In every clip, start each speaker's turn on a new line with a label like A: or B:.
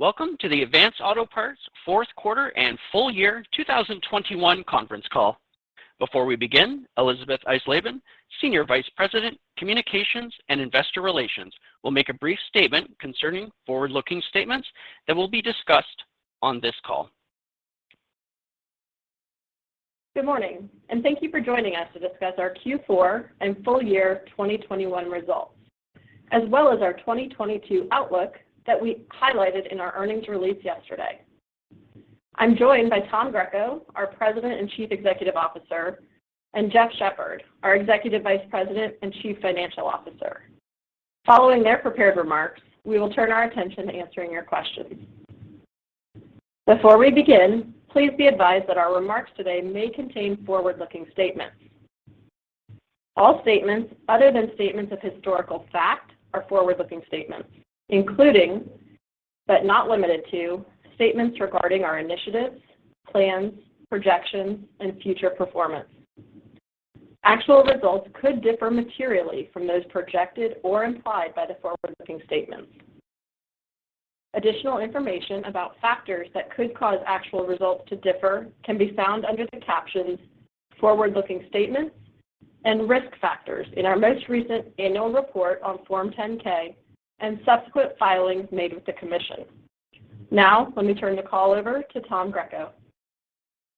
A: Welcome to the Advance Auto Parts fourth quarter and full year 2021 conference call. Before we begin, Elisabeth Eisleben, Senior Vice President, Communications and Investor Relations, will make a brief statement concerning forward-looking statements that will be discussed on this call.
B: Good morning, and thank you for joining us to discuss our Q4 and full year 2021 results, as well as our 2022 outlook that we highlighted in our earnings release yesterday. I'm joined by Tom Greco, our President and Chief Executive Officer, and Jeff Shepherd, our Executive Vice President and Chief Financial Officer. Following their prepared remarks, we will turn our attention to answering your questions. Before we begin, please be advised that our remarks today may contain forward-looking statements. All statements other than statements of historical fact are forward-looking statements, including, but not limited to, statements regarding our initiatives, plans, projections, and future performance. Actual results could differ materially from those projected or implied by the forward-looking statements. Additional information about factors that could cause actual results to differ can be found under the captions "Forward-Looking Statements" and "Risk Factors" in our most recent Annual Report on Form 10-K and subsequent filings made with the commission. Now, let me turn the call over to Tom Greco.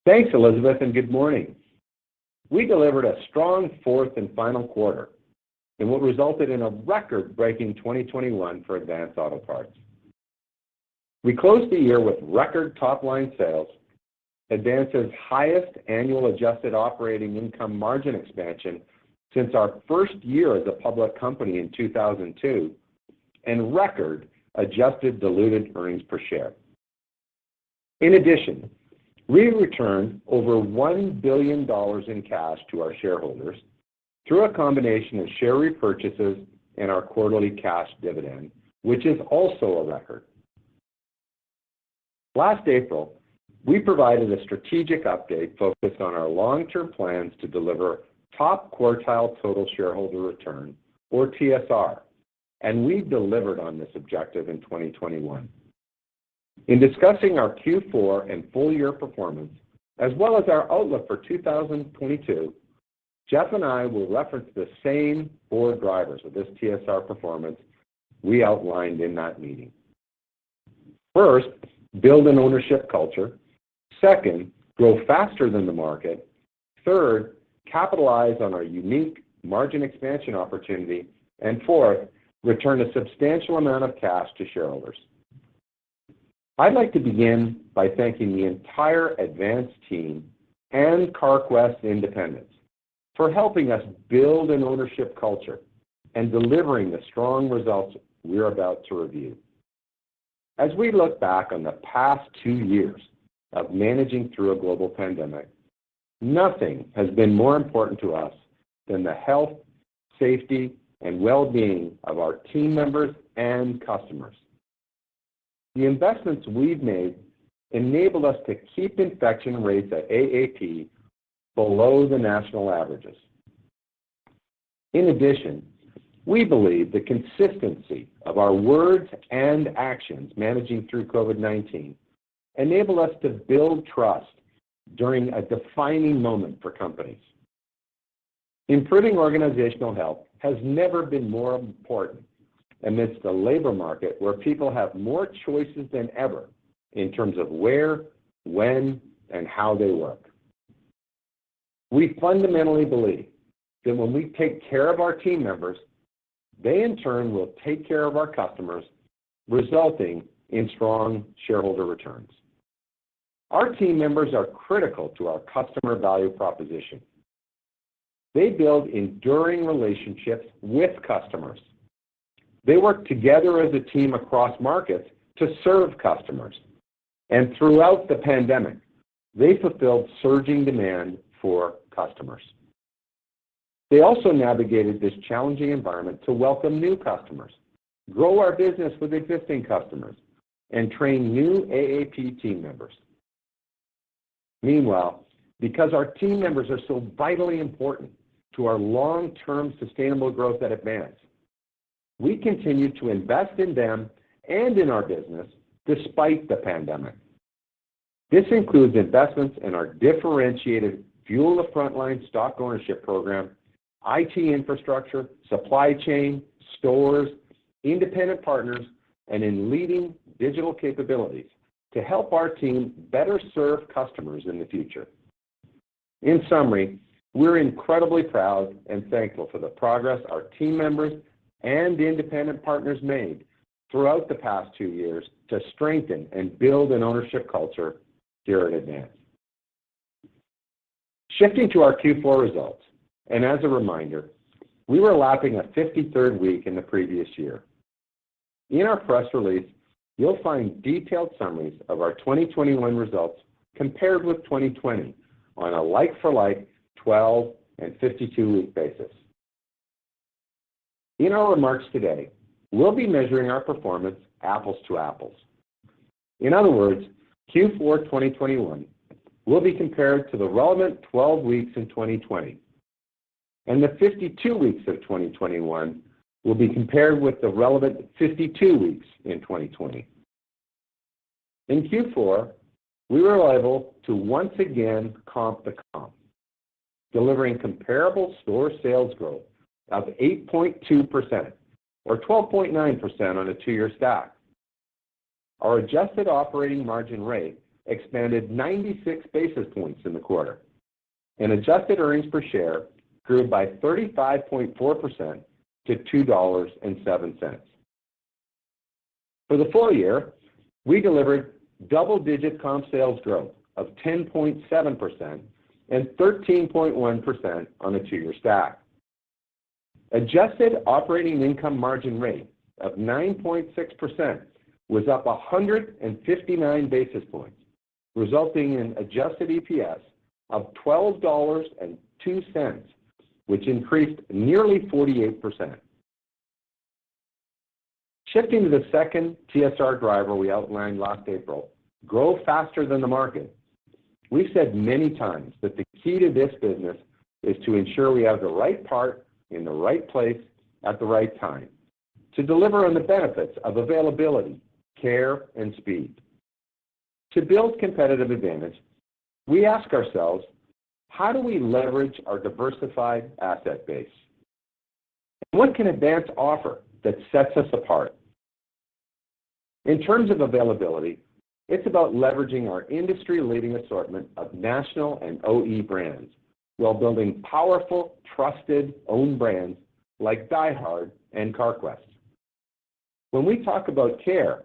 C: Thanks, Elisabeth, and good morning. We delivered a strong fourth and final quarter in what resulted in a record-breaking 2021 for Advance Auto Parts. We closed the year with record top-line sales, Advance's highest annual adjusted operating income margin expansion since our first year as a public company in 2002, and record adjusted diluted earnings per share. In addition, we returned over $1 billion in cash to our shareholders through a combination of share repurchases and our quarterly cash dividend, which is also a record. Last April, we provided a strategic update focused on our long-term plans to deliver top-quartile total shareholder return, or TSR, and we delivered on this objective in 2021. In discussing our Q4 and full year performance, as well as our outlook for 2022, Jeff and I will reference the same four drivers of this TSR performance we outlined in that meeting. First, build an ownership culture. Second, grow faster than the market. Third, capitalize on our unique margin expansion opportunity. Fourth, return a substantial amount of cash to shareholders. I'd like to begin by thanking the entire Advance team and Carquest independents for helping us build an ownership culture and delivering the strong results we're about to review. As we look back on the past two years of managing through a global pandemic, nothing has been more important to us than the health, safety, and well-being of our team members and customers. The investments we've made enabled us to keep infection rates at AAP below the national averages. In addition, we believe the consistency of our words and actions managing through COVID-19 enabled us to build trust during a defining moment for companies. Improving organizational health has never been more important amidst a labor market where people have more choices than ever in terms of where, when, and how they work. We fundamentally believe that when we take care of our team members, they in turn will take care of our customers, resulting in strong shareholder returns. Our team members are critical to our customer value proposition. They build enduring relationships with customers. They work together as a team across markets to serve customers. Throughout the pandemic, they fulfilled surging demand for customers. They also navigated this challenging environment to welcome new customers, grow our business with existing customers, and train new AAP team members. Meanwhile, because our team members are so vitally important to our long-term sustainable growth at Advance, we continue to invest in them and in our business despite the pandemic. This includes investments in our differentiated Fuel the Frontline stock ownership program, IT infrastructure, supply chain, stores, independent partners, and in leading digital capabilities to help our team better serve customers in the future. In summary, we're incredibly proud and thankful for the progress our team members and independent partners made throughout the past two years to strengthen and build an ownership culture here at Advance. Shifting to our Q4 results, and as a reminder, we were lapping a 53rd week in the previous year. In our press release, you'll find detailed summaries of our 2021 results compared with 2020 on a like-for-like 12- and 52-week basis. In our remarks today, we'll be measuring our performance apples to apples. In other words, Q4 2021 will be compared to the relevant 12 weeks in 2020. The 52 weeks of 2021 will be compared with the relevant 52 weeks in 2020. In Q4, we were able to once again comp the comp, delivering comparable store sales growth of 8.2% or 12.9% on a two-year stack. Our adjusted operating margin rate expanded 96 basis points in the quarter, and adjusted earnings per share grew by 35.4% to $2.07. For the full year, we delivered double-digit comp sales growth of 10.7% and 13.1% on a two-year stack. Adjusted operating income margin rate of 9.6% was up 159 basis points, resulting in adjusted EPS of $12.02, which increased nearly 48%. Shifting to the second TSR driver we outlined last April, grow faster than the market. We've said many times that the key to this business is to ensure we have the right part in the right place at the right time to deliver on the benefits of availability, care, and speed. To build competitive advantage, we ask ourselves, how do we leverage our diversified asset base? What can Advance offer that sets us apart? In terms of availability, it's about leveraging our industry-leading assortment of national and OE brands while building powerful, trusted own brands like DieHard and Carquest. When we talk about care,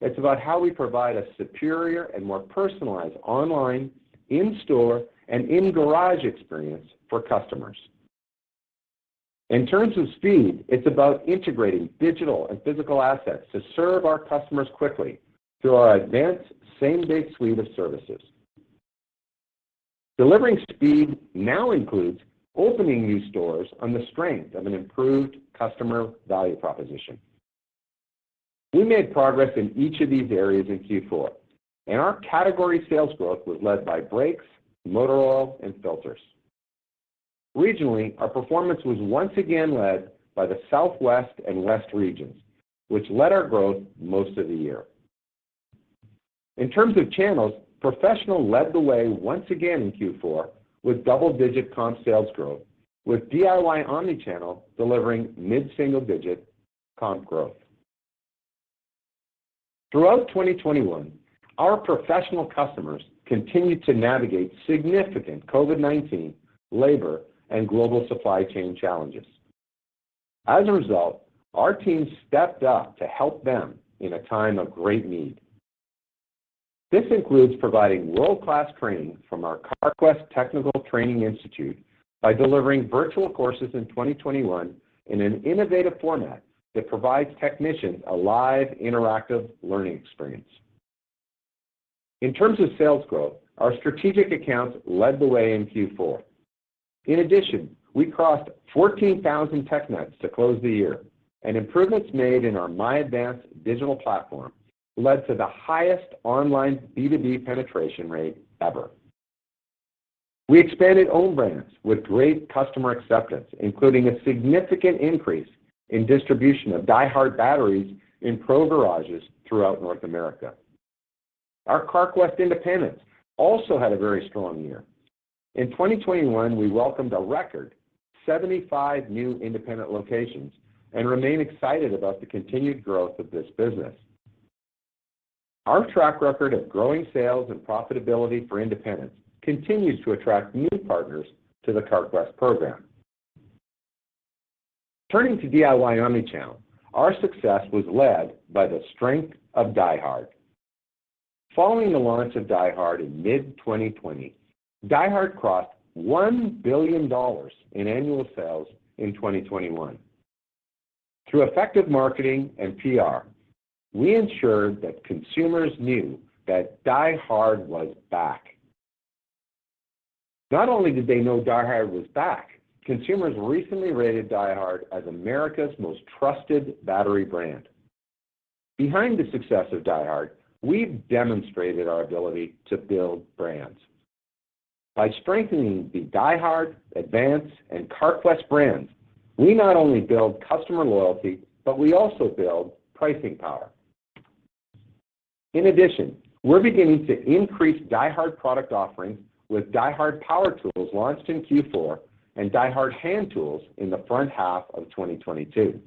C: it's about how we provide a superior and more personalized online, in-store, and in-garage experience for customers. In terms of speed, it's about integrating digital and physical assets to serve our customers quickly through our Advance same-day suite of services. Delivering speed now includes opening new stores on the strength of an improved customer value proposition. We made progress in each of these areas in Q4, and our category sales growth was led by brakes, motor oils, and filters. Regionally, our performance was once again led by the Southwest and West regions, which led our growth most of the year. In terms of channels, professional led the way once again in Q4 with double-digit comp sales growth, with DIY omnichannel delivering mid-single-digit comp growth. Throughout 2021, our professional customers continued to navigate significant COVID-19, labor, and global supply chain challenges. As a result, our team stepped up to help them in a time of great need. This includes providing world-class training from our Carquest Technical Institute by delivering virtual courses in 2021 in an innovative format that provides technicians a live, interactive learning experience. In terms of sales growth, our strategic accounts led the way in Q4. In addition, we crossed 14,000 tech nights to close the year, and improvements made in our MyAdvance digital platform led to the highest online B2B penetration rate ever. We expanded own brands with great customer acceptance, including a significant increase in distribution of DieHard batteries in Pro Garages throughout North America. Our Carquest independents also had a very strong year. In 2021, we welcomed a record 75 new independent locations and remain excited about the continued growth of this business. Our track record of growing sales and profitability for independents continues to attract new partners to the Carquest program. Turning to DIY omnichannel, our success was led by the strength of DieHard. Following the launch of DieHard in mid-2020, DieHard crossed $1 billion in annual sales in 2021. Through effective marketing and PR, we ensured that consumers knew that DieHard was back. Not only did they know DieHard was back, consumers recently rated DieHard as America's most trusted battery brand. Behind the success of DieHard, we've demonstrated our ability to build brands. By strengthening the DieHard, Advance, and Carquest brands, we not only build customer loyalty, but we also build pricing power. In addition, we're beginning to increase DieHard product offerings with DieHard power tools launched in Q4 and DieHard hand tools in the front half of 2022.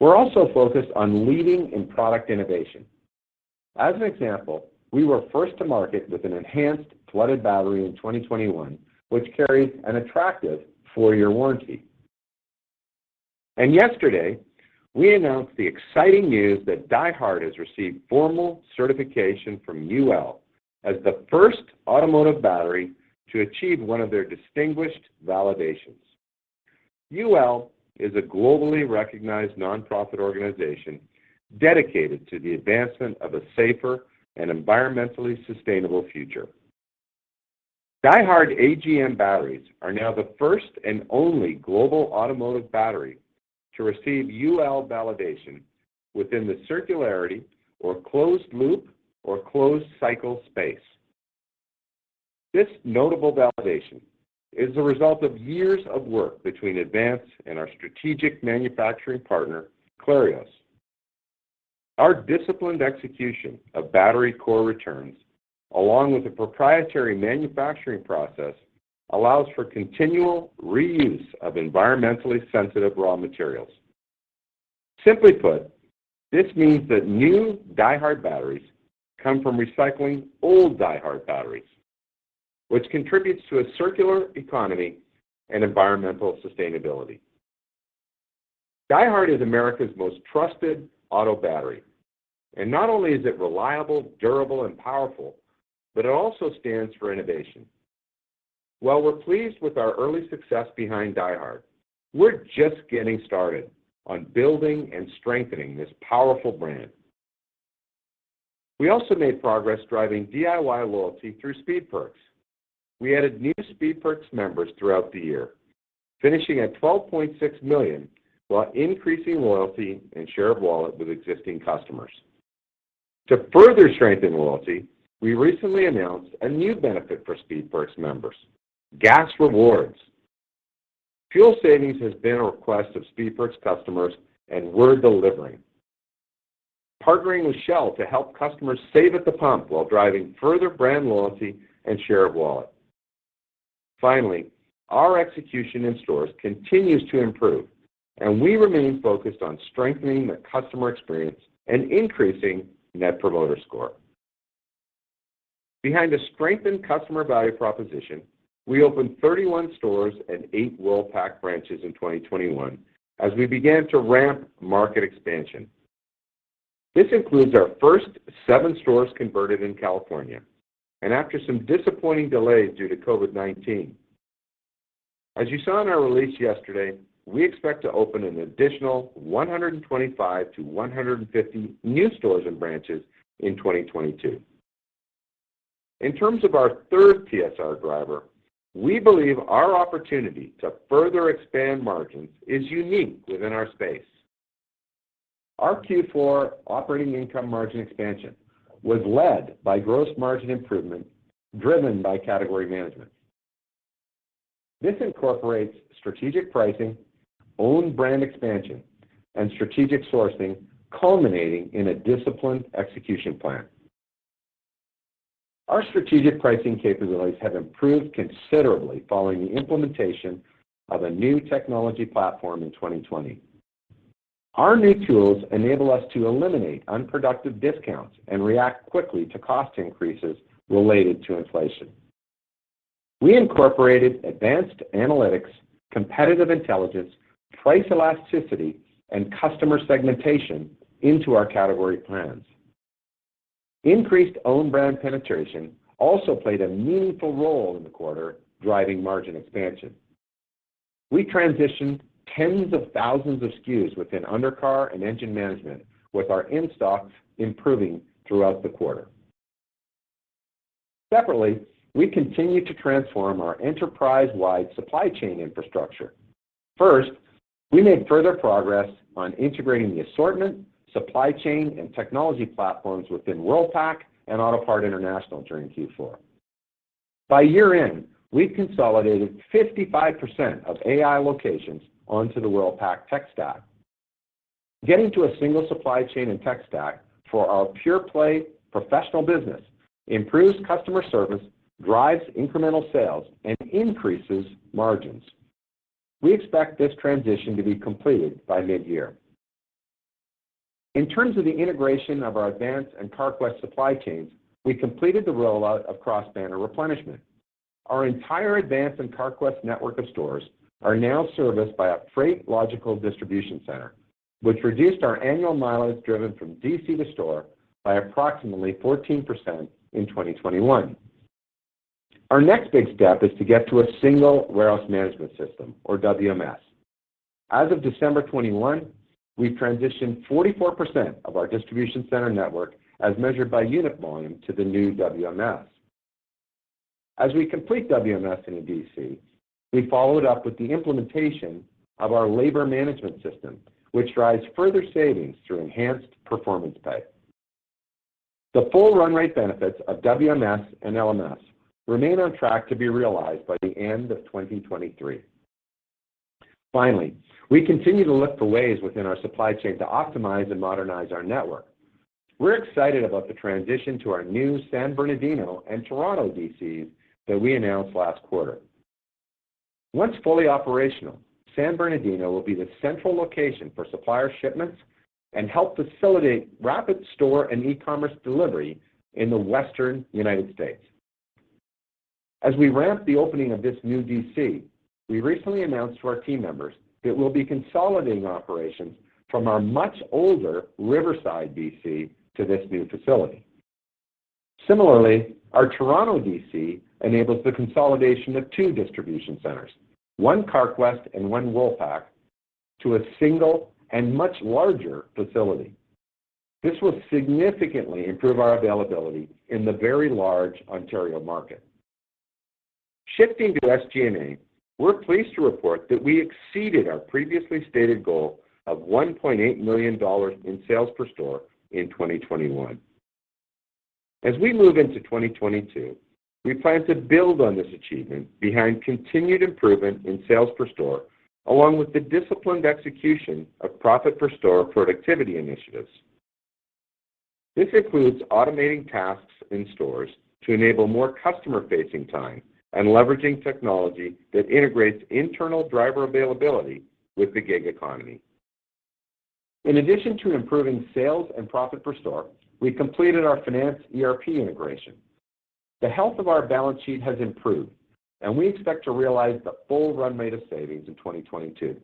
C: We're also focused on leading in product innovation. As an example, we were first to market with an enhanced flooded battery in 2021, which carries an attractive four-year warranty. Yesterday, we announced the exciting news that DieHard has received formal certification from UL as the first automotive battery to achieve one of their distinguished validations. UL is a globally recognized non-profit organization dedicated to the advancement of a safer and environmentally sustainable future. DieHard AGM batteries are now the first and only global automotive battery to receive UL validation within the circularity or closed loop or closed cycle space. This notable validation is the result of years of work between Advance and our strategic manufacturing partner, Clarios. Our disciplined execution of battery core returns, along with a proprietary manufacturing process, allows for continual reuse of environmentally sensitive raw materials. Simply put, this means that new DieHard batteries come from recycling old DieHard batteries, which contributes to a circular economy and environmental sustainability. DieHard is America's most trusted auto battery, and not only is it reliable, durable, and powerful, but it also stands for innovation. While we're pleased with our early success behind DieHard, we're just getting started on building and strengthening this powerful brand. We also made progress driving DIY loyalty through SpeedPerks. We added new SpeedPerks members throughout the year, finishing at 12.6 million, while increasing loyalty and share of wallet with existing customers. To further strengthen loyalty, we recently announced a new benefit for SpeedPerks members, gas rewards. Fuel savings has been a request of SpeedPerks customers, and we're delivering, partnering with Shell to help customers save at the pump while driving further brand loyalty and share of wallet. Finally, our execution in stores continues to improve and we remain focused on strengthening the customer experience and increasing net promoter score. Behind a strengthened customer value proposition, we opened 31 stores and eight Worldpac branches in 2021 as we began to ramp market expansion. This includes our first seven stores converted in California, and after some disappointing delays due to COVID-19. As you saw in our release yesterday, we expect to open an additional 125-150 new stores and branches in 2022. In terms of our third TSR driver, we believe our opportunity to further expand margins is unique within our space. Our Q4 operating income margin expansion was led by gross margin improvement driven by category management. This incorporates strategic pricing, own brand expansion, and strategic sourcing culminating in a disciplined execution plan. Our strategic pricing capabilities have improved considerably following the implementation of a new technology platform in 2020. Our new tools enable us to eliminate unproductive discounts and react quickly to cost increases related to inflation. We incorporated advanced analytics, competitive intelligence, price elasticity, and customer segmentation into our category plans. Increased own brand penetration also played a meaningful role in the quarter driving margin expansion. We transitioned tens of thousands of SKUs within undercar and engine management, with our in-stock improving throughout the quarter. Separately, we continue to transform our enterprise-wide supply chain infrastructure. First, we made further progress on integrating the assortment, supply chain, and technology platforms within Worldpac and Autopart International during Q4. By year-end, we'd consolidated 55% of AI locations onto the Worldpac tech stack. Getting to a single supply chain and tech stack for our pure-play professional business improves customer service, drives incremental sales, and increases margins. We expect this transition to be completed by mid-year. In terms of the integration of our Advance and Carquest supply chains, we completed the rollout of cross-banner replenishment. Our entire Advance and Carquest network of stores are now serviced by a regional distribution center, which reduced our annual mileage driven from DC to store by approximately 14% in 2021. Our next big step is to get to a single warehouse management system, or WMS. As of December 2021, we transitioned 44% of our distribution center network as measured by unit volume to the new WMS. As we complete WMS in the DC, we followed up with the implementation of our labor management system, which drives further savings through enhanced performance pay. The full run rate benefits of WMS and LMS remain on track to be realized by the end of 2023. Finally, we continue to look for ways within our supply chain to optimize and modernize our network. We're excited about the transition to our new San Bernardino and Toronto DCs that we announced last quarter. Once fully operational, San Bernardino will be the central location for supplier shipments and help facilitate rapid store and e-commerce delivery in the western United States. As we ramp the opening of this new DC, we recently announced to our team members that we'll be consolidating operations from our much older Riverside DC to this new facility. Similarly, our Toronto DC enables the consolidation of two distribution centers, one Carquest and one Worldpac, to a single and much larger facility. This will significantly improve our availability in the very large Ontario market. Shifting to SG&A, we're pleased to report that we exceeded our previously stated goal of $1.8 million in sales per store in 2021. As we move into 2022, we plan to build on this achievement behind continued improvement in sales per store, along with the disciplined execution of profit per store productivity initiatives. This includes automating tasks in stores to enable more customer-facing time and leveraging technology that integrates internal driver availability with the gig economy. In addition to improving sales and profit per store, we completed our finance ERP integration. The health of our balance sheet has improved, and we expect to realize the full run rate of savings in 2022.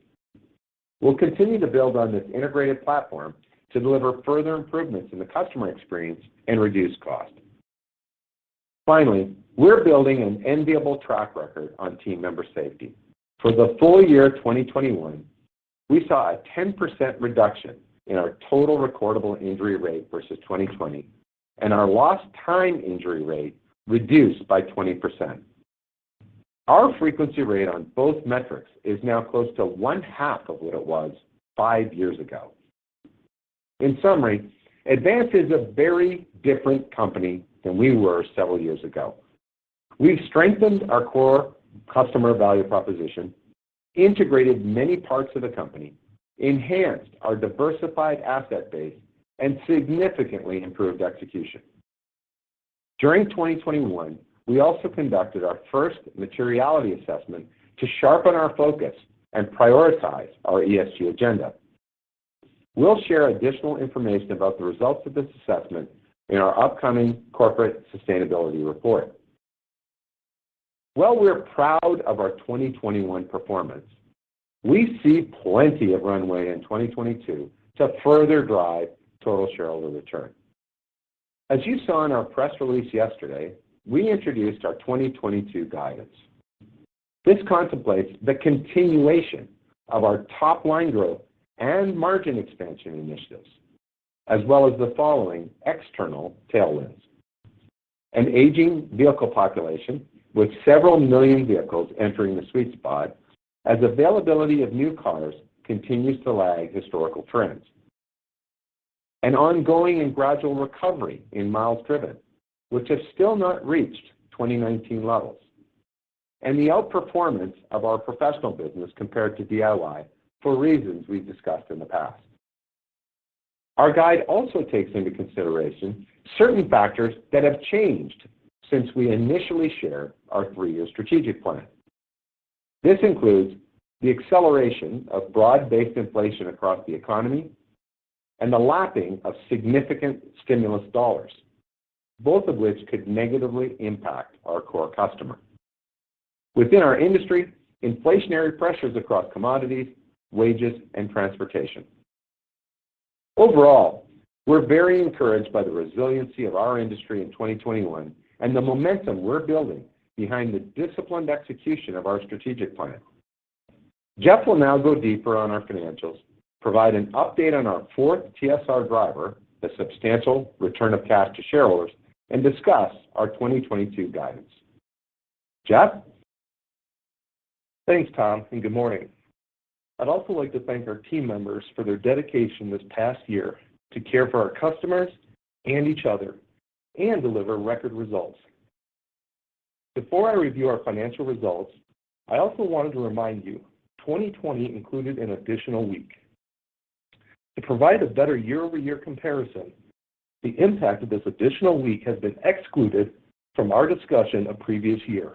C: We'll continue to build on this integrated platform to deliver further improvements in the customer experience and reduce cost. Finally, we're building an enviable track record on team member safety. For the full year of 2021, we saw a 10% reduction in our total recordable injury rate versus 2020, and our lost time injury rate reduced by 20%. Our frequency rate on both metrics is now close to one half of what it was 5 years ago. In summary, Advance is a very different company than we were several years ago. We've strengthened our core customer value proposition, integrated many parts of the company, enhanced our diversified asset base, and significantly improved execution. During 2021, we also conducted our first materiality assessment to sharpen our focus and prioritize our ESG agenda. We'll share additional information about the results of this assessment in our upcoming corporate sustainability report. While we're proud of our 2021 performance, we see plenty of runway in 2022 to further drive total shareholder return. As you saw in our press release yesterday, we introduced our 2022 guidance. This contemplates the continuation of our top-line growth and margin expansion initiatives, as well as the following external tailwinds. An aging vehicle population with several million vehicles entering the sweet spot as availability of new cars continues to lag historical trends. An ongoing and gradual recovery in miles driven, which has still not reached 2019 levels. And the outperformance of our professional business compared to DIY for reasons we've discussed in the past. Our guide also takes into consideration certain factors that have changed since we initially shared our three-year strategic plan. This includes the acceleration of broad-based inflation across the economy and the lapping of significant stimulus dollars, both of which could negatively impact our core customer, within our industry, inflationary pressures across commodities, wages, and transportation. Overall, we're very encouraged by the resiliency of our industry in 2021 and the momentum we're building behind the disciplined execution of our strategic plan. Jeff will now go deeper on our financials, provide an update on our fourth TSR driver, the substantial return of cash to shareholders, and discuss our 2022 guidance. Jeff?
D: Thanks, Tom, and good morning. I'd also like to thank our team members for their dedication this past year to care for our customers and each other and deliver record results. Before I review our financial results, I also wanted to remind you 2020 included an additional week. To provide a better year-over-year comparison, the impact of this additional week has been excluded from our discussion of previous year.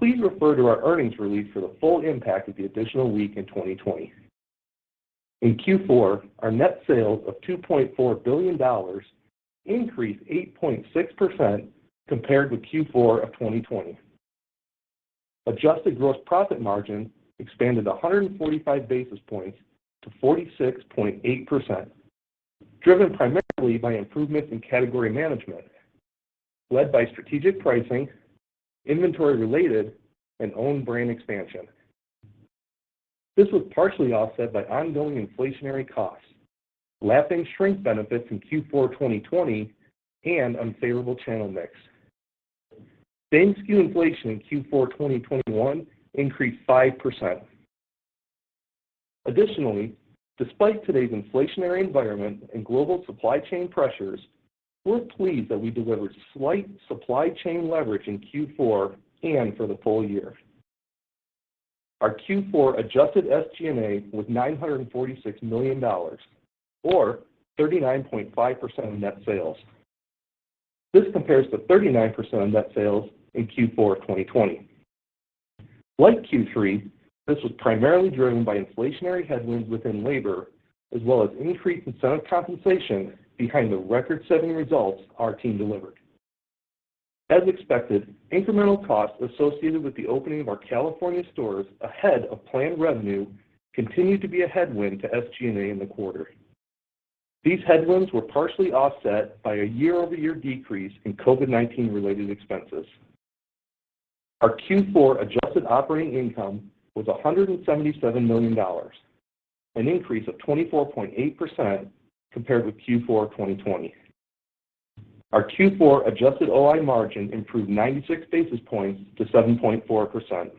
D: Please refer to our earnings release for the full impact of the additional week in 2020. In Q4, our net sales of $2.4 billion increased 8.6% compared with Q4 of 2020. Adjusted gross profit margin expanded 145 basis points to 46.8%, driven primarily by improvements in category management, led by strategic pricing, inventory-related, and own brand expansion. This was partially offset by ongoing inflationary costs, lapping shrink benefits in Q4 2020, and unfavorable channel mix. Same-sku inflation in Q4 2021 increased 5%. Additionally, despite today's inflationary environment and global supply chain pressures, we're pleased that we delivered slight supply chain leverage in Q4 and for the full year. Our Q4 adjusted SG&A was $946 million or 39.5% of net sales. This compares to 39% of net sales in Q4 2020. Like Q3, this was primarily driven by inflationary headwinds within labor, as well as increased incentive compensation behind the record-setting results our team delivered. As expected, incremental costs associated with the opening of our California stores ahead of planned revenue continued to be a headwind to SG&A in the quarter. These headwinds were partially offset by a year-over-year decrease in COVID-19 related expenses. Our Q4 adjusted operating income was $177 million. It was an increase of 24.8% compared with Q4 2020. Our Q4 adjusted OI margin improved 96 basis points to 7.4%.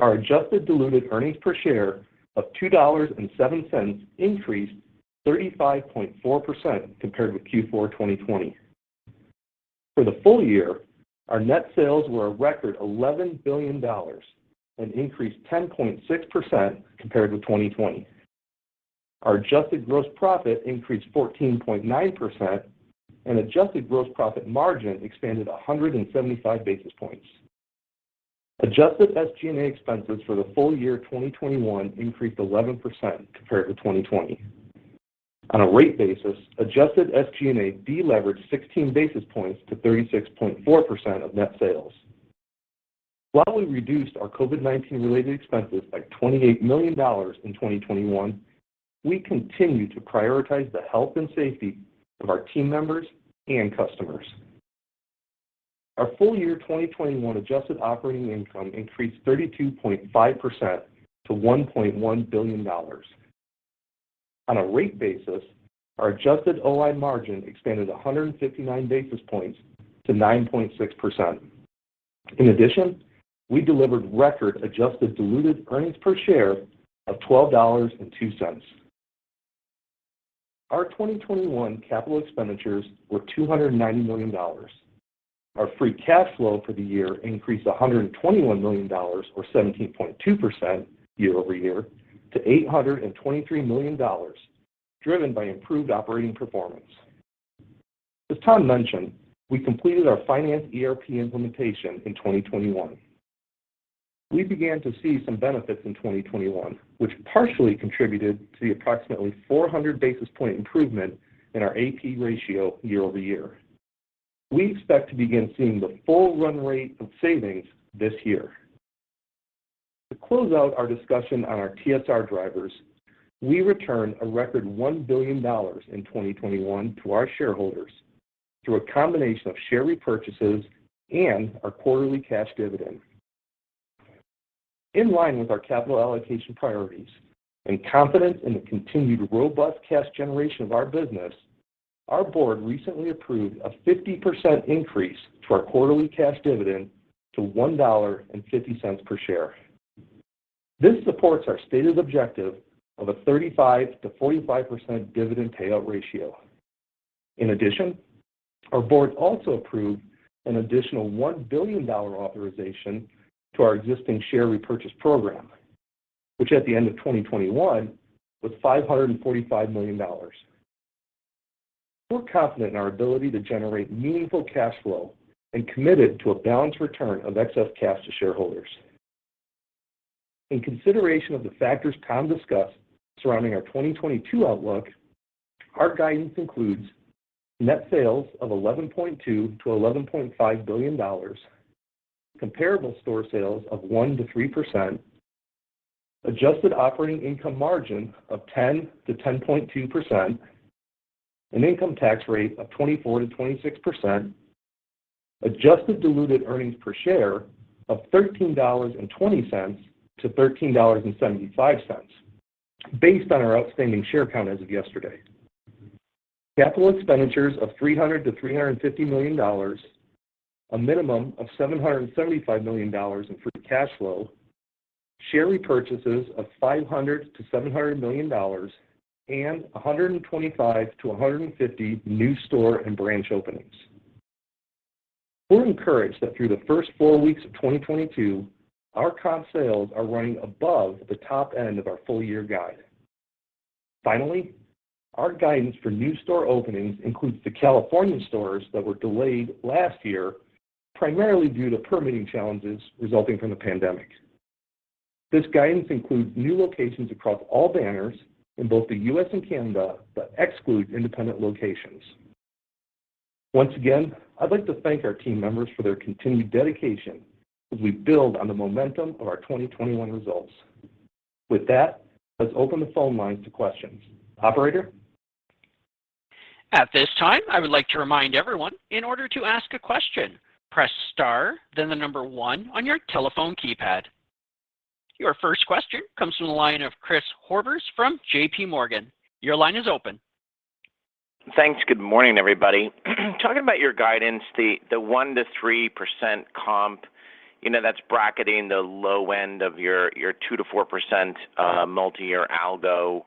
D: Our adjusted diluted earnings per share of $2.07 increased 35.4% compared with Q4 2020. For the full year, our net sales were a record $11 billion, an increase 10.6% compared with 2020. Our adjusted gross profit increased 14.9% and adjusted gross profit margin expanded 175 basis points. Adjusted SG&A expenses for the full year 2021 increased 11% compared to 2020. On a rate basis, adjusted SG&A deleveraged 16 basis points to 36.4% of net sales. While we reduced our COVID-19 related expenses by $28 million in 2021, we continue to prioritize the health and safety of our team members and customers. Our full year 2021 adjusted operating income increased 32.5% to $1.1 billion. On a rate basis, our adjusted OI margin expanded 159 basis points to 9.6%. In addition, we delivered record adjusted diluted earnings per share of $12.02. Our 2021 capital expenditures were $290 million. Our free cash flow for the year increased $121 million or 17.2% year over year to $823 million, driven by improved operating performance. As Tom mentioned, we completed our finance ERP implementation in 2021. We began to see some benefits in 2021, which partially contributed to the approximately 400 basis point improvement in our AP ratio year over year. We expect to begin seeing the full run rate of savings this year. To close out our discussion on our TSR drivers, we returned a record $1 billion in 2021 to our shareholders through a combination of share repurchases and our quarterly cash dividend. In line with our capital allocation priorities and confidence in the continued robust cash generation of our business, our board recently approved a 50% increase to our quarterly cash dividend to $1.50 per share. This supports our stated objective of a 35%-45% dividend payout ratio. In addition, our board also approved an additional $1 billion authorization to our existing share repurchase program, which at the end of 2021 was $545 million. We're confident in our ability to generate meaningful cash flow and committed to a balanced return of excess cash to shareholders. In consideration of the factors Tom discussed surrounding our 2022 outlook, our guidance includes net sales of $11.2 billion-$11.5 billion, comparable store sales of 1%-3%, adjusted operating income margin of 10%-10.2%, an income tax rate of 24%-26%, adjusted diluted earnings per share of $13.20-$13.75 based on our outstanding share count as of yesterday. Capital expenditures of $300 million-$350 million, a minimum of $775 million in free cash flow, share repurchases of $500 million-$700 million, and 125-150 new store and branch openings. We're encouraged that through the first four weeks of 2022, our comp sales are running above the top end of our full year guidance. Finally, our guidance for new store openings includes the California stores that were delayed last year, primarily due to permitting challenges resulting from the pandemic. This guidance includes new locations across all banners in both the U.S. and Canada, but excludes independent locations. Once again, I'd like to thank our team members for their continued dedication as we build on the momentum of our 2021 results. With that, let's open the phone lines to questions. Operator.
A: At this time, I would like to remind everyone, in order to ask a question, press star, then the number one on your telephone keypad. Your first question comes from the line of Chris Horvers from JPMorgan. Your line is open.
E: Thanks. Good morning, everybody. Talking about your guidance, the 1%-3% comp, you know, that's bracketing the low end of your 2%-4% multiyear algo,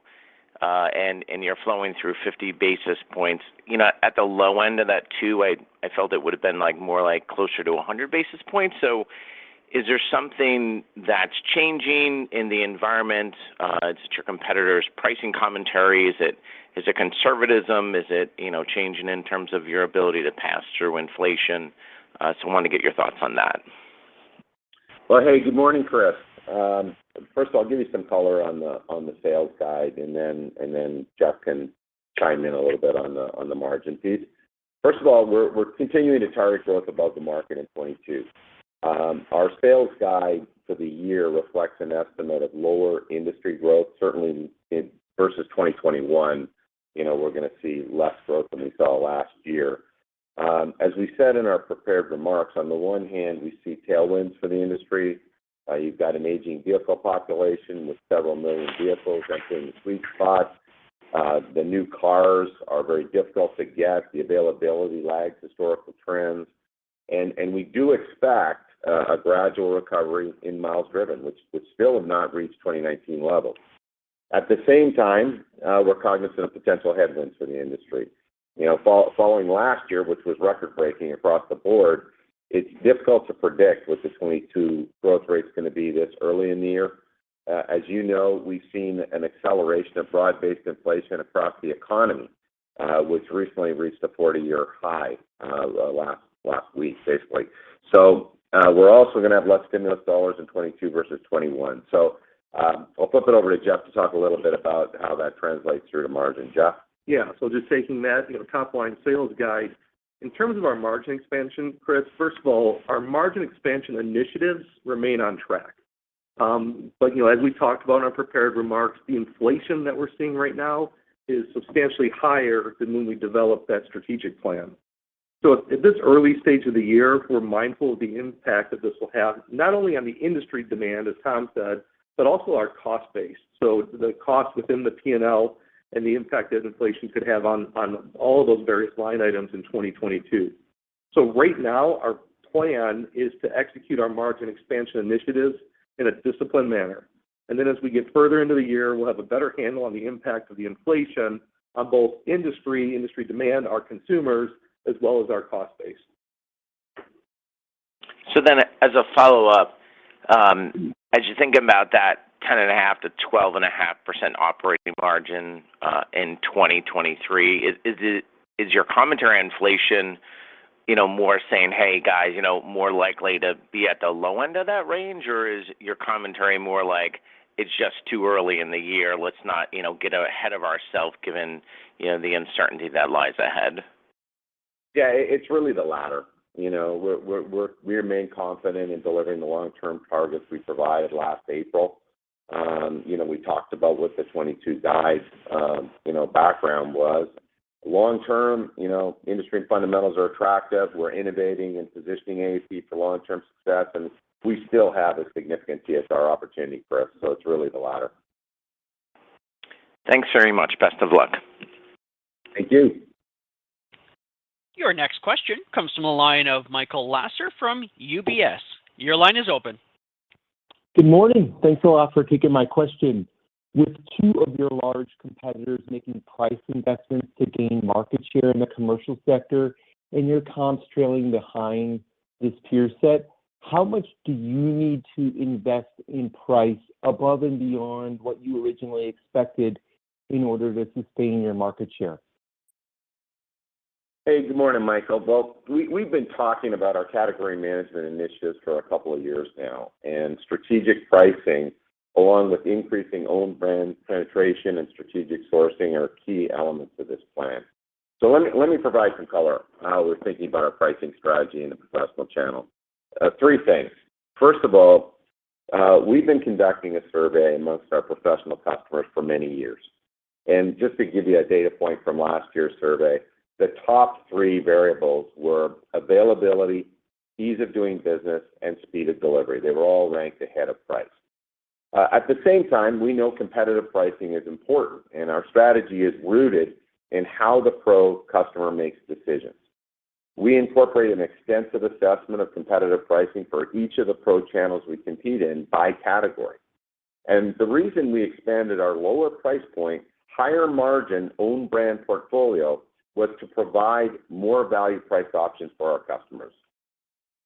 E: and you're flowing through 50 basis points. You know, at the low end of that two, I felt it would have been like more like closer to 100 basis points. Is there something that's changing in the environment? Is it your competitors' pricing commentary? Is it conservatism? Is it, you know, changing in terms of your ability to pass through inflation? I wanted to get your thoughts on that.
D: Well, hey, good morning, Chris. First of all, I'll give you some color on the sales guide, and then Jeff can chime in a little bit on the margin piece. First of all, we're continuing to target growth above the market in 2022. Our sales guide for the year reflects an estimate of lower industry growth, certainly in 2022 versus 2021. You know, we're gonna see less growth than we saw last year.
C: As we said in our prepared remarks, on the one hand, we see tailwinds for the industry. You've got an aging vehicle population with several million vehicles entering the sweet spot. The new cars are very difficult to get. The availability lags historical trends. We do expect a gradual recovery in miles driven, which still have not reached 2019 levels. At the same time, we're cognizant of potential headwinds for the industry. You know, following last year, which was record-breaking across the board, it's difficult to predict what this 2022 growth rate's gonna be this early in the year. As you know, we've seen an acceleration of broad-based inflation across the economy, which recently reached a 40-year high last week, basically. We're also gonna have less stimulus dollars in 2022 versus 2021. I'll flip it over to Jeff to talk a little bit about how that translates through to margin. Jeff?
D: Yeah. Just taking that, you know, top line sales guide. In terms of our margin expansion, Chris, first of all, our margin expansion initiatives remain on track. You know, as we talked about in our prepared remarks, the inflation that we're seeing right now is substantially higher than when we developed that strategic plan. At this early stage of the year, we're mindful of the impact that this will have, not only on the industry demand, as Tom said, but also our cost base, so the cost within the P&L and the impact that inflation could have on all of those various line items in 2022. Right now, our plan is to execute our margin expansion initiatives in a disciplined manner. As we get further into the year, we'll have a better handle on the impact of the inflation on both industry demand, our consumers, as well as our cost base.
E: As a follow-up, as you think about that 10.5%-12.5% operating margin in 2023, is your commentary on inflation, you know, more saying, "Hey, guys, you know, more likely to be at the low end of that range?" Or is your commentary more like, "It's just too early in the year. Let's not, you know, get ahead of ourself given, you know, the uncertainty that lies ahead"?
C: Yeah. It's really the latter. You know, we remain confident in delivering the long-term targets we provided last April. You know, we talked about what the 2022 guide, you know, background was. Long-term, you know, industry fundamentals are attractive. We're innovating and positioning AP for long-term success, and we still have a significant TSR opportunity for us, so it's really the latter.
E: Thanks very much. Best of luck.
C: Thank you.
A: Your next question comes from the line of Michael Lasser from UBS. Your line is open.
F: Good morning. Thanks a lot for taking my question. With two of your large competitors making price investments to gain market share in the commercial sector and your comps trailing behind this peer set, how much do you need to invest in price above and beyond what you originally expected in order to sustain your market share?
C: Hey, good morning, Michael. We've been talking about our category management initiatives for a couple of years now, and strategic pricing, along with increasing own brand penetration and strategic sourcing, are key elements of this plan. Let me provide some color on how we're thinking about our pricing strategy in the professional channel. Three things. First of all, we've been conducting a survey among our professional customers for many years. Just to give you a data point from last year's survey, the top three variables were availability, ease of doing business, and speed of delivery. They were all ranked ahead of price. At the same time, we know competitive pricing is important, and our strategy is rooted in how the pro customer makes decisions. We incorporate an extensive assessment of competitive pricing for each of the pro channels we compete in by category. The reason we expanded our lower price point, higher margin own brand portfolio was to provide more value price options for our customers.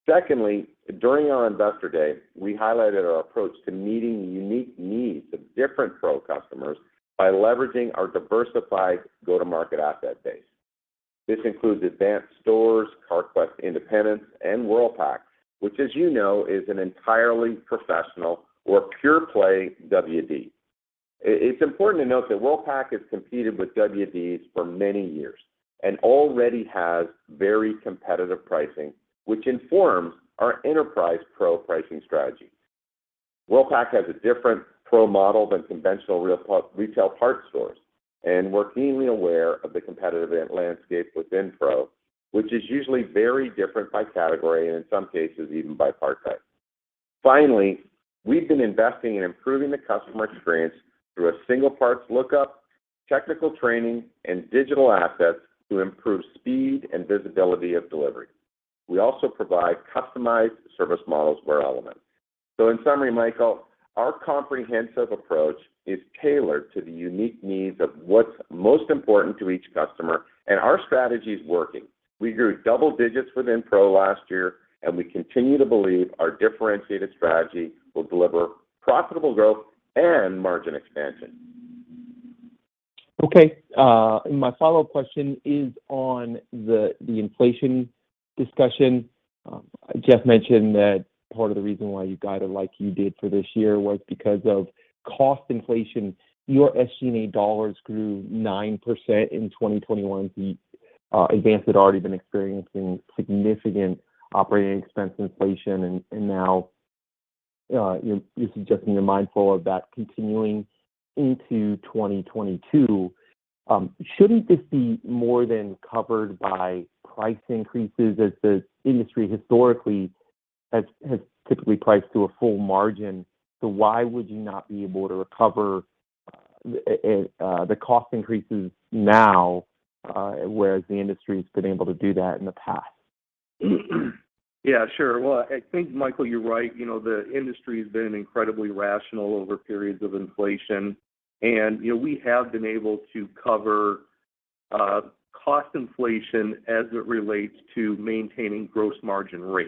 C: Secondly, during our Investor Day, we highlighted our approach to meeting the unique needs of different pro customers by leveraging our diversified go-to-market asset base. This includes Advance stores, Carquest independents, and Worldpac, which, as you know, is an entirely professional or pure play WD. It's important to note that Worldpac has competed with WDs for many years and already has very competitive pricing, which informs our enterprise pro pricing strategy. Worldpac has a different pro model than conventional retail parts stores, and we're keenly aware of the competitive landscape within pro, which is usually very different by category and in some cases, even by part type. Finally, we've been investing in improving the customer experience through a single parts lookup, technical training, and digital assets to improve speed and visibility of delivery. We also provide customized service models where relevant. In summary, Michael, our comprehensive approach is tailored to the unique needs of what's most important to each customer, and our strategy is working. We grew double digits within pro last year, and we continue to believe our differentiated strategy will deliver profitable growth and margin expansion.
F: Okay. My follow-up question is on the inflation discussion. Jeff mentioned that part of the reason why you guided like you did for this year was because of cost inflation. Your SG&A dollars grew 9% in 2021. Advance had already been experiencing significant operating expense inflation and now You're suggesting you're mindful of that continuing into 2022. Shouldn't this be more than covered by price increases as the industry historically has typically priced to a full margin? Why would you not be able to recover the cost increases now, whereas the industry's been able to do that in the past?
C: Yeah, sure. Well, I think, Michael, you're right. You know, the industry's been incredibly rational over periods of inflation. You know, we have been able to cover cost inflation as it relates to maintaining gross margin rate.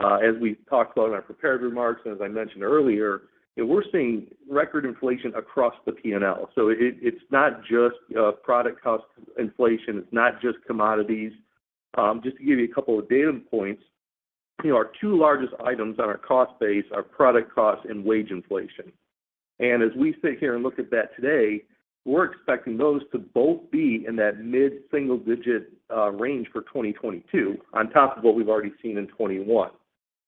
C: As we talked about in our prepared remarks and as I mentioned earlier, you know, we're seeing record inflation across the P&L. It, it's not just product cost inflation, it's not just commodities. Just to give you a couple of data points, you know, our two largest items on our cost base are product cost and wage inflation. As we sit here and look at that today, we're expecting those to both be in that mid-single digit range for 2022 on top of what we've already seen in 2021.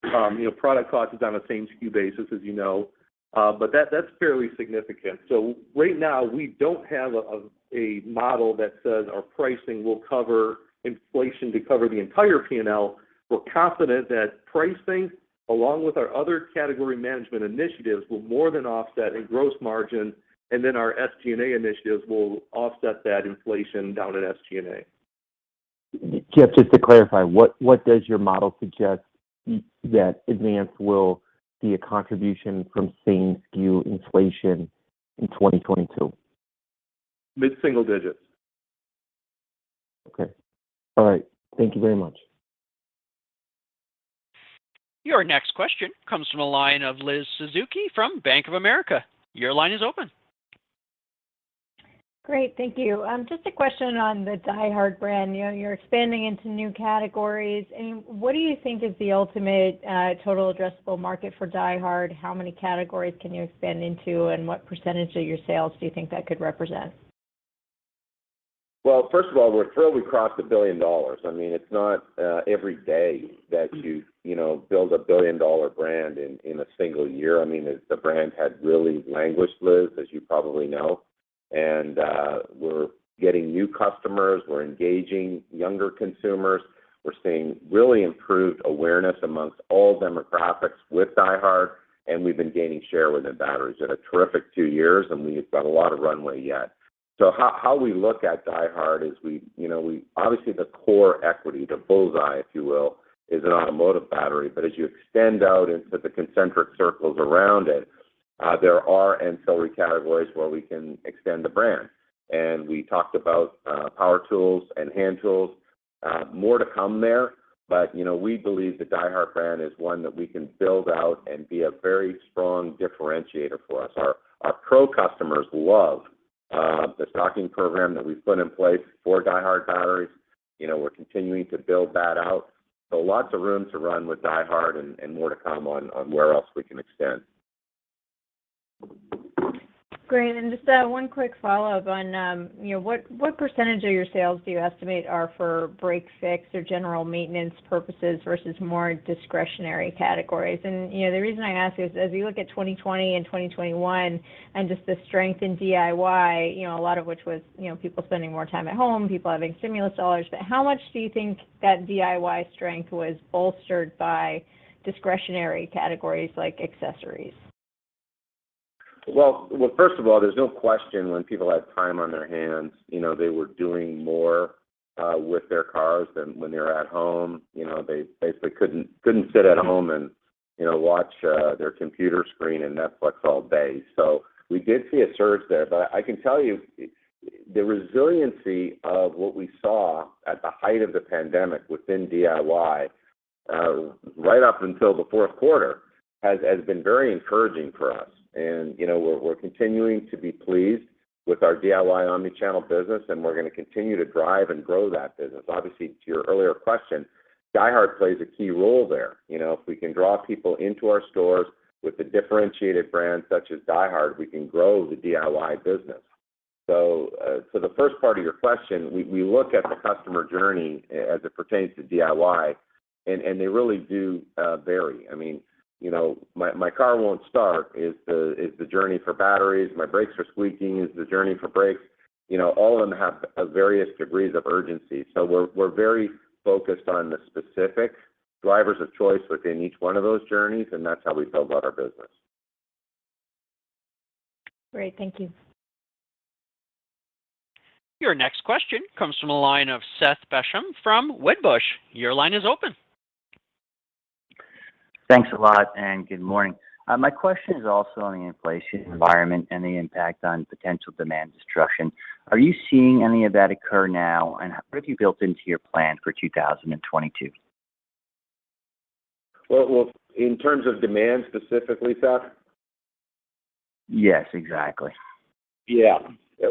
C: You know, product cost is on a same SKU basis, as you know. That's fairly significant. Right now we don't have a model that says our pricing will cover inflation to cover the entire P&L. We're confident that pricing, along with our other category management initiatives, will more than offset a gross margin, and then our SG&A initiatives will offset that inflation down at SG&A.
F: Jeff, just to clarify, what does your model suggest that Advance will be a contribution from same SKU inflation in 2022?
C: Mid-single digits.
F: Okay. All right. Thank you very much.
A: Your next question comes from the line of Liz Suzuki from Bank of America. Your line is open.
G: Great. Thank you. Just a question on the DieHard brand. You know, you're expanding into new categories. What do you think is the ultimate total addressable market for DieHard? How many categories can you expand into, and what percentage of your sales do you think that could represent?
C: Well, first of all, we're thrilled we crossed $1 billion. I mean, it's not every day that you know build a billion-dollar brand in a single year. I mean, the brand had really languished, Liz, as you probably know. We're getting new customers, we're engaging younger consumers. We're seeing really improved awareness among all demographics with DieHard, and we've been gaining share within batteries. Had a terrific two years, and we've got a lot of runway yet. How we look at DieHard is, you know, obviously, the core equity, the bull's-eye, if you will, is an automotive battery. As you extend out into the concentric circles around it, there are ancillary categories where we can extend the brand. We talked about power tools and hand tools. More to come there. You know, we believe the DieHard brand is one that we can build out and be a very strong differentiator for us. Our pro customers love the stocking program that we've put in place for DieHard batteries. You know, we're continuing to build that out. Lots of room to run with DieHard and more to come on where else we can extend.
G: Great. Just one quick follow-up on you know what percentage of your sales do you estimate are for break, fix, or general maintenance purposes versus more discretionary categories? You know the reason I ask is as we look at 2020 and 2021 and just the strength in DIY you know a lot of which was you know people spending more time at home people having stimulus dollars. How much do you think that DIY strength was bolstered by discretionary categories like accessories?
C: Well, first of all, there's no question when people have time on their hands, you know, they were doing more with their cars than when they were at home. You know, they basically couldn't sit at home and watch their computer screen and Netflix all day. So we did see a surge there. But I can tell you the resiliency of what we saw at the height of the pandemic within DIY right up until the fourth quarter has been very encouraging for us. You know, we're continuing to be pleased with our DIY omnichannel business, and we're gonna continue to drive and grow that business. Obviously, to your earlier question, DieHard plays a key role there, you know. If we can draw people into our stores with a differentiated brand such as DieHard, we can grow the DIY business. The first part of your question, we look at the customer journey as it pertains to DIY, and they really do vary. I mean, you know, "My car won't start" is the journey for batteries. "My brakes are squeaking" is the journey for brakes. You know, all of them have various degrees of urgency. We're very focused on the specific drivers of choice within each one of those journeys, and that's how we build out our business.
G: Great. Thank you.
A: Your next question comes from the line of Seth Basham from Wedbush. Your line is open.
H: Thanks a lot, and good morning. My question is also on the inflation environment and the impact on potential demand destruction. Are you seeing any of that occur now, and what have you built into your plan for 2022?
C: Well, in terms of demand specifically, Seth?
H: Yes, exactly.
C: Yeah.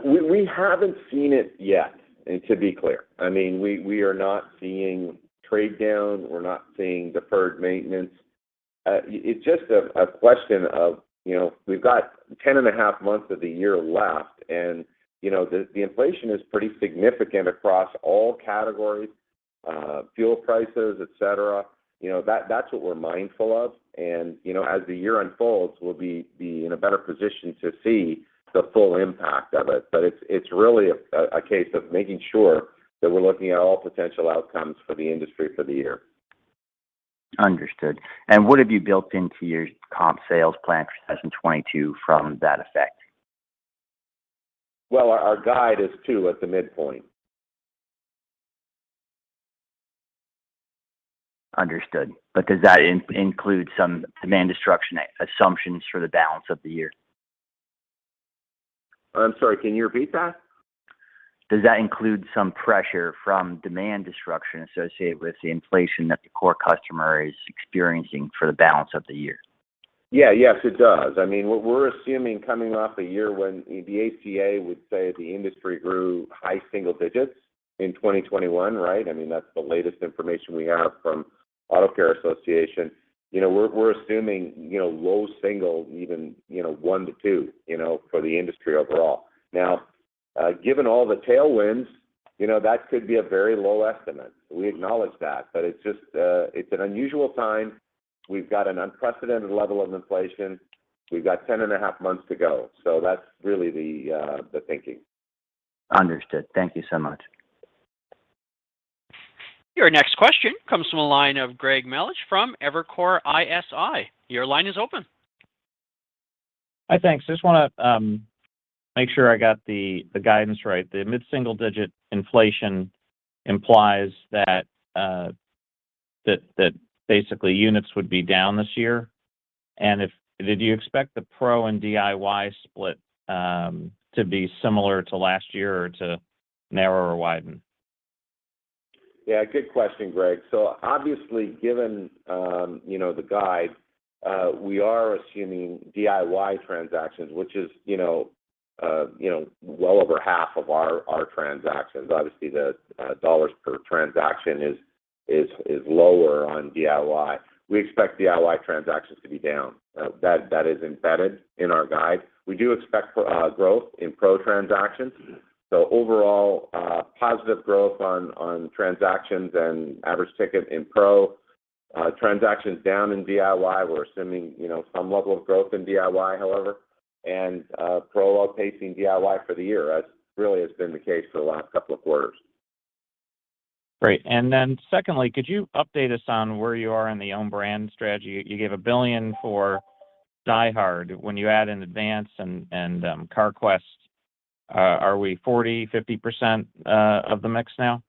C: We haven't seen it yet, and to be clear, I mean, we are not seeing trade down, we're not seeing deferred maintenance. It's just a question of, you know, we've got ten and a half months of the year left, and, you know, the inflation is pretty significant across all categories. Fuel prices, et cetera. You know, that's what we're mindful of. You know, as the year unfolds, we'll be in a better position to see the full impact of it. It's really a case of making sure that we're looking at all potential outcomes for the industry for the year.
H: Understood. What have you built into your comp sales plan for 2022 from that effect?
C: Well, our guide is 2 at the midpoint.
H: Understood. Does that include some demand destruction assumptions for the balance of the year?
C: I'm sorry, can you repeat that?
H: Does that include some pressure from demand destruction associated with the inflation that the core customer is experiencing for the balance of the year?
C: Yeah. Yes, it does. I mean, what we're assuming coming off a year when the ACA would say the industry grew high single digits in 2021, right? I mean, that's the latest information we have from Auto Care Association. You know, we're assuming, you know, low single even, you know, one to two, you know, for the industry overall. Now, given all the tailwinds, you know, that could be a very low estimate. We acknowledge that, but it's just, it's an unusual time. We've got an unprecedented level of inflation. We've got 10.5 months to go. That's really the thinking.
H: Understood. Thank you so much.
A: Your next question comes from a line of Greg Melich from Evercore ISI. Your line is open.
I: Hi. Thanks. Just wanna make sure I got the guidance right. The mid-single digit inflation implies that basically units would be down this year. Did you expect the pro and DIY split to be similar to last year or to narrow or widen?
C: Yeah, good question, Greg. Obviously, given you know, the guide, we are assuming DIY transactions, which is you know well over half of our transactions. Obviously, the dollars per transaction is lower on DIY. We expect DIY transactions to be down. That is embedded in our guide. We do expect growth in pro transactions. Overall, positive growth on transactions and average ticket in pro, transactions down in DIY. We're assuming you know some level of growth in DIY, however, and pro outpacing DIY for the year, as really has been the case for the last couple of quarters.
I: Great. Secondly, could you update us on where you are in the own brand strategy? You gave $1 billion for DieHard. When you add in Advance and Carquest, are we 40%-50% of the mix now?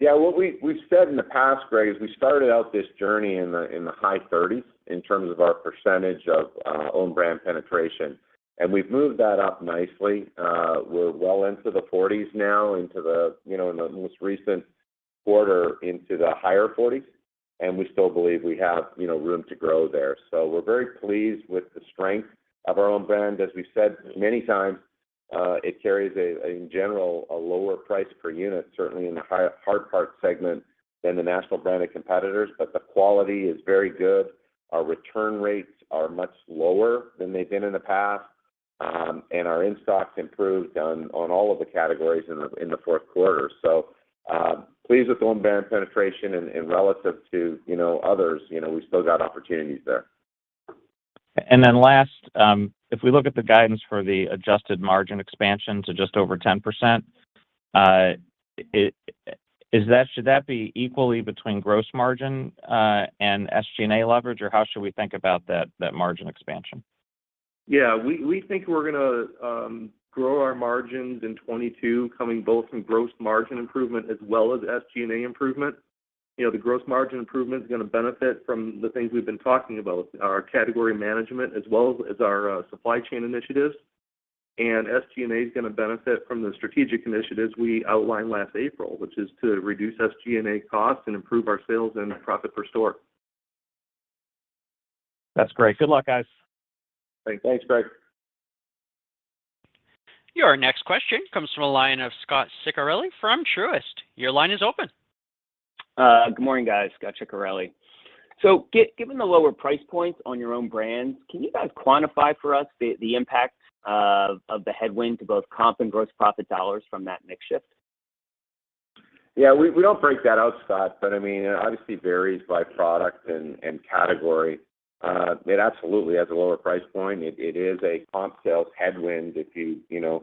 C: Yeah. What we've said in the past, Greg, is we started out this journey in the high 30s in terms of our percentage of own brand penetration, and we've moved that up nicely. We're well into the 40s now, you know, in the most recent quarter into the higher 40s, and we still believe we have, you know, room to grow there. We're very pleased with the strength of our own brand. As we said many times, it carries, in general, a lower price per unit, certainly in the high hard part segment than the national branded competitors. The quality is very good. Our return rates are much lower than they've been in the past, and our in-stocks improved on all of the categories in the fourth quarter. Pleased with own brand penetration and relative to, you know, others. You know, we still got opportunities there.
I: Last, if we look at the guidance for the adjusted margin expansion to just over 10%, should that be equally between gross margin and SG&A leverage, or how should we think about that margin expansion?
C: Yeah. We think we're gonna grow our margins in 2022 coming both from gross margin improvement as well as SG&A improvement. You know, the gross margin improvement is gonna benefit from the things we've been talking about, our category management as well as our supply chain initiatives. SG&A is gonna benefit from the strategic initiatives we outlined last April, which is to reduce SG&A costs and improve our sales and profit per store.
I: That's great. Good luck, guys.
C: Great. Thanks, Greg.
A: Your next question comes from a line of Scot Ciccarelli from Truist. Your line is open.
J: Good morning, guys. Scot Ciccarelli. Given the lower price points on your own brands, can you guys quantify for us the impact of the headwind to both comp and gross profit dollars from that mix shift?
C: Yeah, we don't break that out, Scott, but I mean, it obviously varies by product and category. It absolutely has a lower price point. It is a comp sales headwind if you know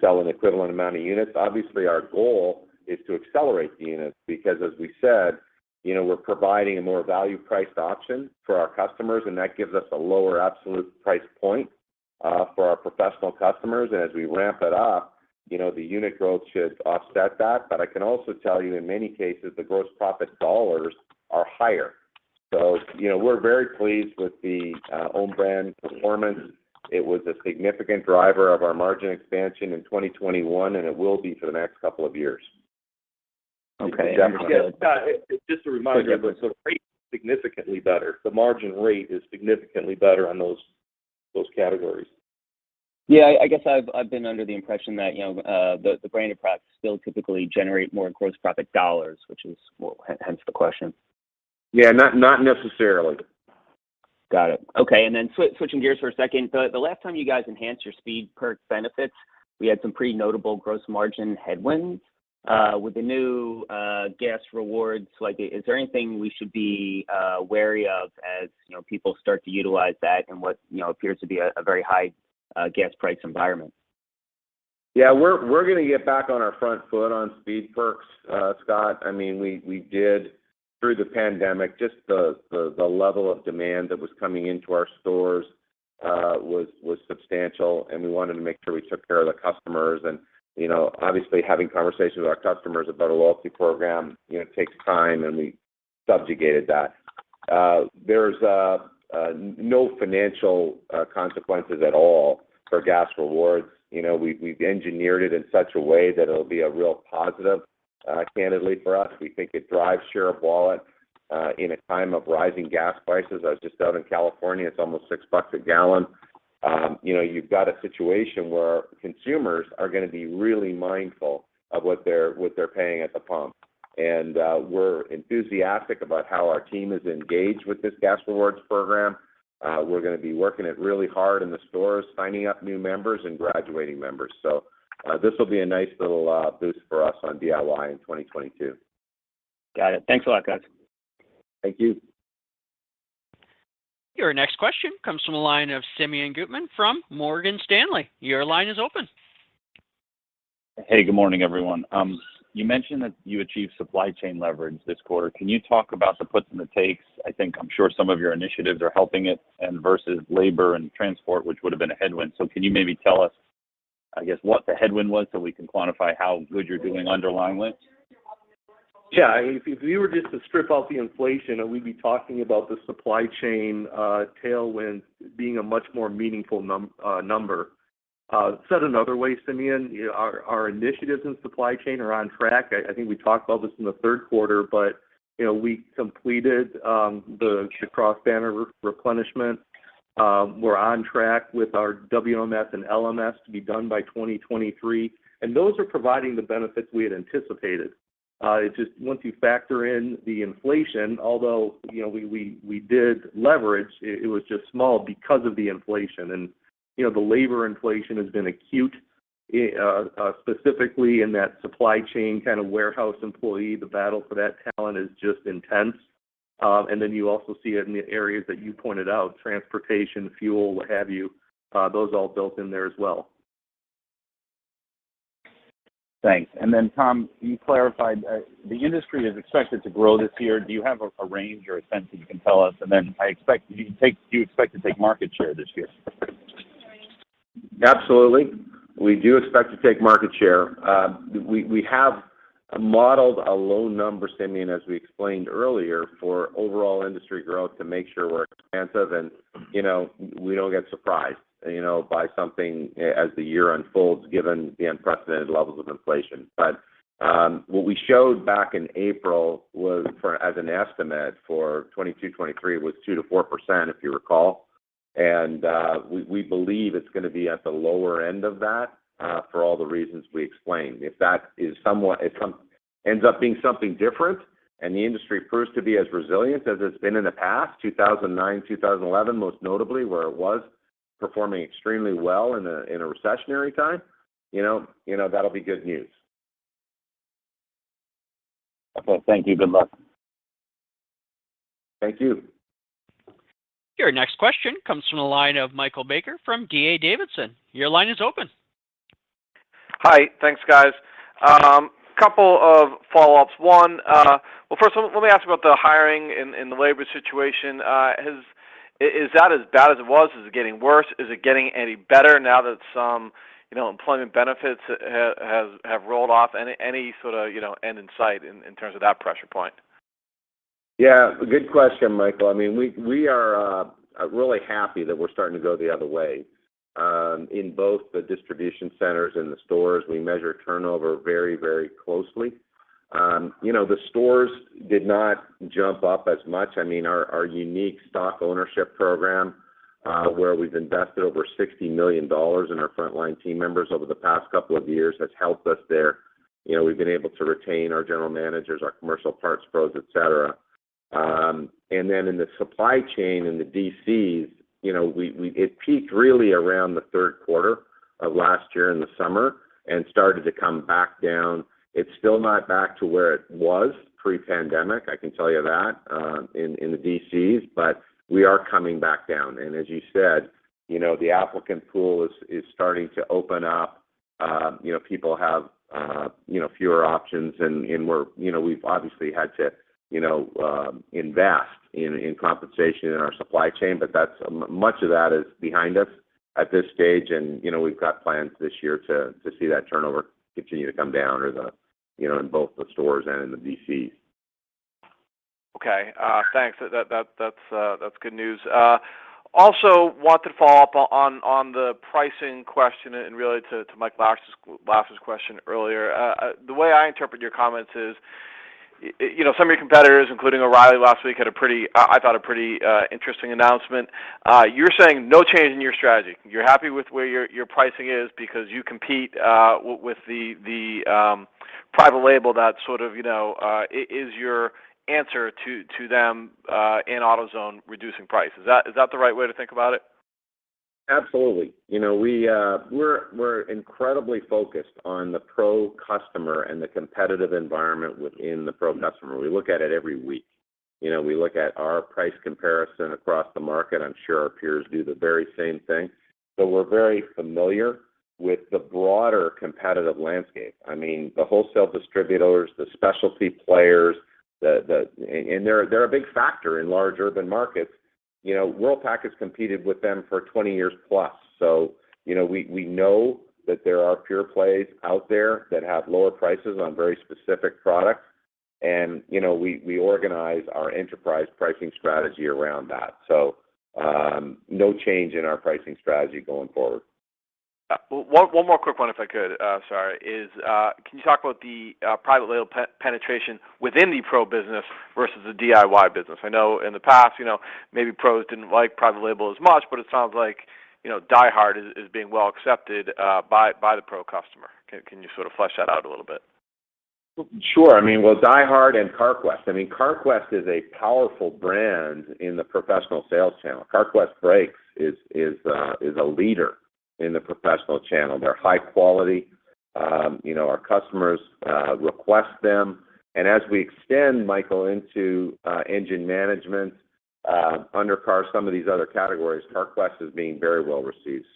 C: sell an equivalent amount of units. Obviously, our goal is to accelerate the units because as we said, you know, we're providing a more value priced option for our customers, and that gives us a lower absolute price point for our professional customers. As we ramp it up, you know, the unit growth should offset that. But I can also tell you, in many cases, the gross profit dollars are higher. So, you know, we're very pleased with the own brand performance. It was a significant driver of our margin expansion in 2021, and it will be for the next couple of years.
J: Okay. Understood.
C: Yeah. Scott, just a reminder, the sort of rate is significantly better. The margin rate is significantly better on those categories.
J: Yeah. I guess I've been under the impression that, you know, the branded products still typically generate more gross profit dollars, which is what hence the question.
C: Yeah. Not necessarily.
J: Got it. Okay. Switching gears for a second. The last time you guys enhanced your SpeedPerks benefits, we had some pretty notable gross margin headwinds. With the new gas rewards, like, is there anything we should be wary of as, you know, people start to utilize that in what, you know, appears to be a very high gas price environment?
C: Yeah. We're gonna get back on our front foot on SpeedPerks, Scot. I mean, we did through the pandemic, just the level of demand that was coming into our stores was substantial, and we wanted to make sure we took care of the customers. You know, obviously having conversations with our customers about a loyalty program, you know, takes time, and we subjugated that. There's no financial consequences at all for gas rewards. You know, we've engineered it in such a way that it'll be a real positive, candidly, for us. We think it drives share of wallet in a time of rising gas prices. I was just out in California. It's almost $6 a gallon. You know, you've got a situation where consumers are gonna be really mindful of what they're paying at the pump. We're enthusiastic about how our team is engaged with this gas rewards program. We're gonna be working it really hard in the stores, signing up new members and graduating members. This will be a nice little boost for us on DIY in 2022.
J: Got it. Thanks a lot, guys.
C: Thank you.
A: Your next question comes from the line of Simeon Gutman from Morgan Stanley. Your line is open.
K: Hey. Good morning, everyone. You mentioned that you achieved supply chain leverage this quarter. Can you talk about the puts and the takes? I think I'm sure some of your initiatives are helping it and versus labor and transport, which would've been a headwind. Can you maybe tell us, I guess, what the headwind was so we can quantify how good you're doing underlying with?
C: Yeah. If we were just to strip out the inflation, and we'd be talking about the supply chain tailwind being a much more meaningful number. Said another way, Simeon, you know, our initiatives in supply chain are on track. I think we talked about this in the third quarter, but you know, we completed the cross-banner replenishment. We're on track with our WMS and LMS to be done by 2023, and those are providing the benefits we had anticipated. It's just once you factor in the inflation, although you know, we did leverage, it was just small because of the inflation. You know, the labor inflation has been acute, specifically in that supply chain kind of warehouse employee. The battle for that talent is just intense. You also see it in the areas that you pointed out, transportation, fuel, what have you, those all built in there as well.
K: Thanks. Tom, can you clarify the industry is expected to grow this year. Do you have a range or a sense that you can tell us? Do you expect to take market share this year?
C: Absolutely. We do expect to take market share. We have modeled a low number, Simeon, as we explained earlier, for overall industry growth to make sure we're expansive and, you know, we don't get surprised, you know, by something as the year unfolds given the unprecedented levels of inflation. What we showed back in April was for, as an estimate for 2022, 2023 was 2%-4%, if you recall. We believe it's gonna be at the lower end of that for all the reasons we explained. If something ends up being something different and the industry proves to be as resilient as it's been in the past, 2009, 2011 most notably, where it was performing extremely well in a recessionary time, you know, that'll be good news.
K: Okay. Thank you. Good luck.
C: Thank you.
A: Your next question comes from the line of Michael Baker from D.A. Davidson. Your line is open.
L: Hi. Thanks, guys. Couple of follow-ups. One. First let me ask about the hiring and the labor situation. Is that as bad as it was? Is it getting worse? Is it getting any better now that some, you know, employment benefits have rolled off? Any sort of, you know, end in sight in terms of that pressure point?
C: Yeah. Good question, Michael. I mean, we are really happy that we're starting to go the other way. In both the distribution centers and the stores, we measure turnover very, very closely. You know, the stores did not jump up as much. I mean, our unique stock ownership program, where we've invested over $60 million in our frontline team members over the past couple of years has helped us there. You know, we've been able to retain our general managers, our commercial parts pros, et cetera. In the supply chain, in the DCs, you know, it peaked really around the third quarter of last year in the summer and started to come back down. It's still not back to where it was pre-pandemic, I can tell you that, in the DCs, but we are coming back down. As you said, you know, the applicant pool is starting to open up. People have fewer options, and we've obviously had to, you know, invest in compensation in our supply chain, but that's much of that is behind us at this stage. You know, we've got plans this year to see that turnover continue to come down, you know, in both the stores and in the DCs.
L: Okay. Thanks. That's good news. Also wanted to follow up on the pricing question and really to Mike Lasser's question earlier. The way I interpret your comments is, you know, some of your competitors, including O'Reilly last week, had a pretty interesting announcement. You're saying no change in your strategy. You're happy with where your pricing is because you compete with the private label that sort of, you know, is your answer to them in AutoZone reducing price. Is that the right way to think about it?
C: Absolutely. You know, we're incredibly focused on the pro customer and the competitive environment within the pro customer. We look at it every week. You know, we look at our price comparison across the market. I'm sure our peers do the very same thing. So we're very familiar with the broader competitive landscape. I mean, the wholesale distributors, the specialty players, and they're a big factor in large urban markets. You know, Worldpac has competed with them for 20 years plus, so you know, we know that there are pure plays out there that have lower prices on very specific products, and you know, we organize our enterprise pricing strategy around that. So, no change in our pricing strategy going forward.
L: One more quick one if I could, sorry. Can you talk about the private label penetration within the pro business versus the DIY business? I know in the past, you know, maybe pros didn't like private label as much, but it sounds like, you know, DieHard is being well accepted by the pro customer. Can you sort of flesh that out a little bit?
C: Sure. I mean, well, DieHard and Carquest. I mean, Carquest is a powerful brand in the professional sales channel. Carquest Brakes is a leader in the professional channel. They're high quality. You know, our customers request them, and as we extend, Michael, into engine management, undercar, some of these other categories, Carquest is being very well received.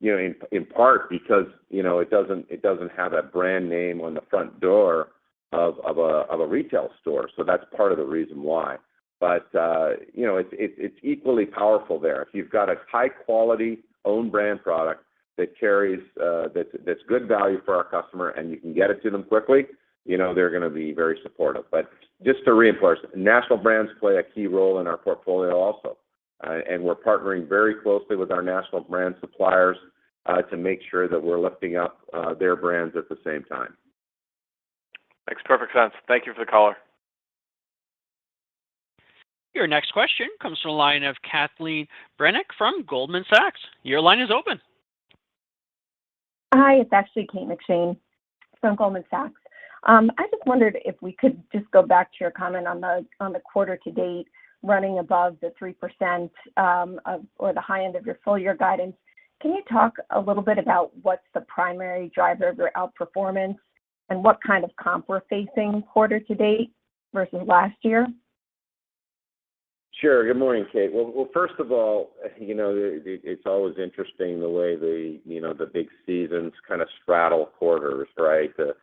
C: You know, in part because, you know, it doesn't have that brand name on the front door of a retail store, so that's part of the reason why. You know, it's equally powerful there. If you've got a high quality own brand product that carries, that's good value for our customer and you can get it to them quickly, you know they're gonna be very supportive. Just to reinforce, national brands play a key role in our portfolio also, and we're partnering very closely with our national brand suppliers, to make sure that we're lifting up their brands at the same time.
L: Makes perfect sense. Thank you for the color.
A: Your next question comes from the line of Kate McShane from Goldman Sachs. Your line is open.
M: Hi, it's actually Kate McShane from Goldman Sachs. I just wondered if we could just go back to your comment on the quarter to date running above the 3% or the high end of your full year guidance. Can you talk a little bit about what's the primary driver of your outperformance and what kind of comp we're facing quarter to date versus last year?
C: Sure. Good morning, Kate. Well, first of all, you know, it's always interesting the way the, you know, the big seasons kind of straddle quarters, right? The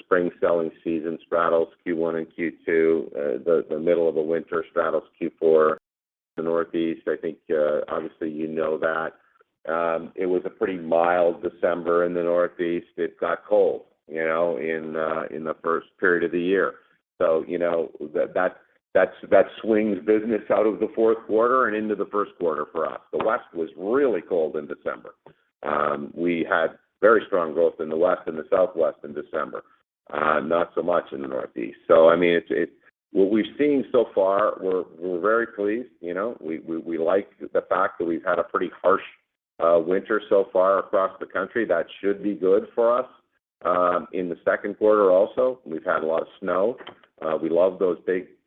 C: spring selling season straddles Q1 and Q2. The middle of the winter straddles Q4. The Northeast, I think, obviously you know that, it was a pretty mild December in the Northeast. It got cold, you know, in the first period of the year. You know, that swings business out of the fourth quarter and into the first quarter for us. The West was really cold in December. We had very strong growth in the West and the Southwest in December, not so much in the Northeast. I mean, what we've seen so far, we're very pleased. You know? We like the fact that we've had a pretty harsh winter so far across the country. That should be good for us in the second quarter also. We've had a lot of snow. We love those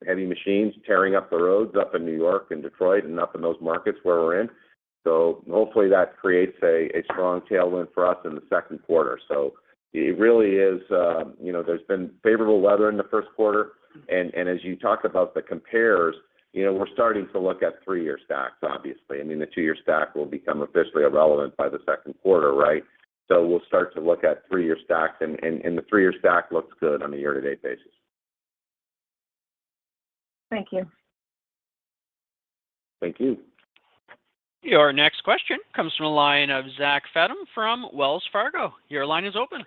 C: big, heavy machines tearing up the roads up in New York and Detroit and up in those markets where we're in. Hopefully that creates a strong tailwind for us in the second quarter. It really is, you know, there's been favorable weather in the first quarter, and the three-year stack looks good on a year-to-date basis.
M: Thank you.
C: Thank you.
A: Your next question comes from a line of Zachary Fadem from Wells Fargo. Your line is open.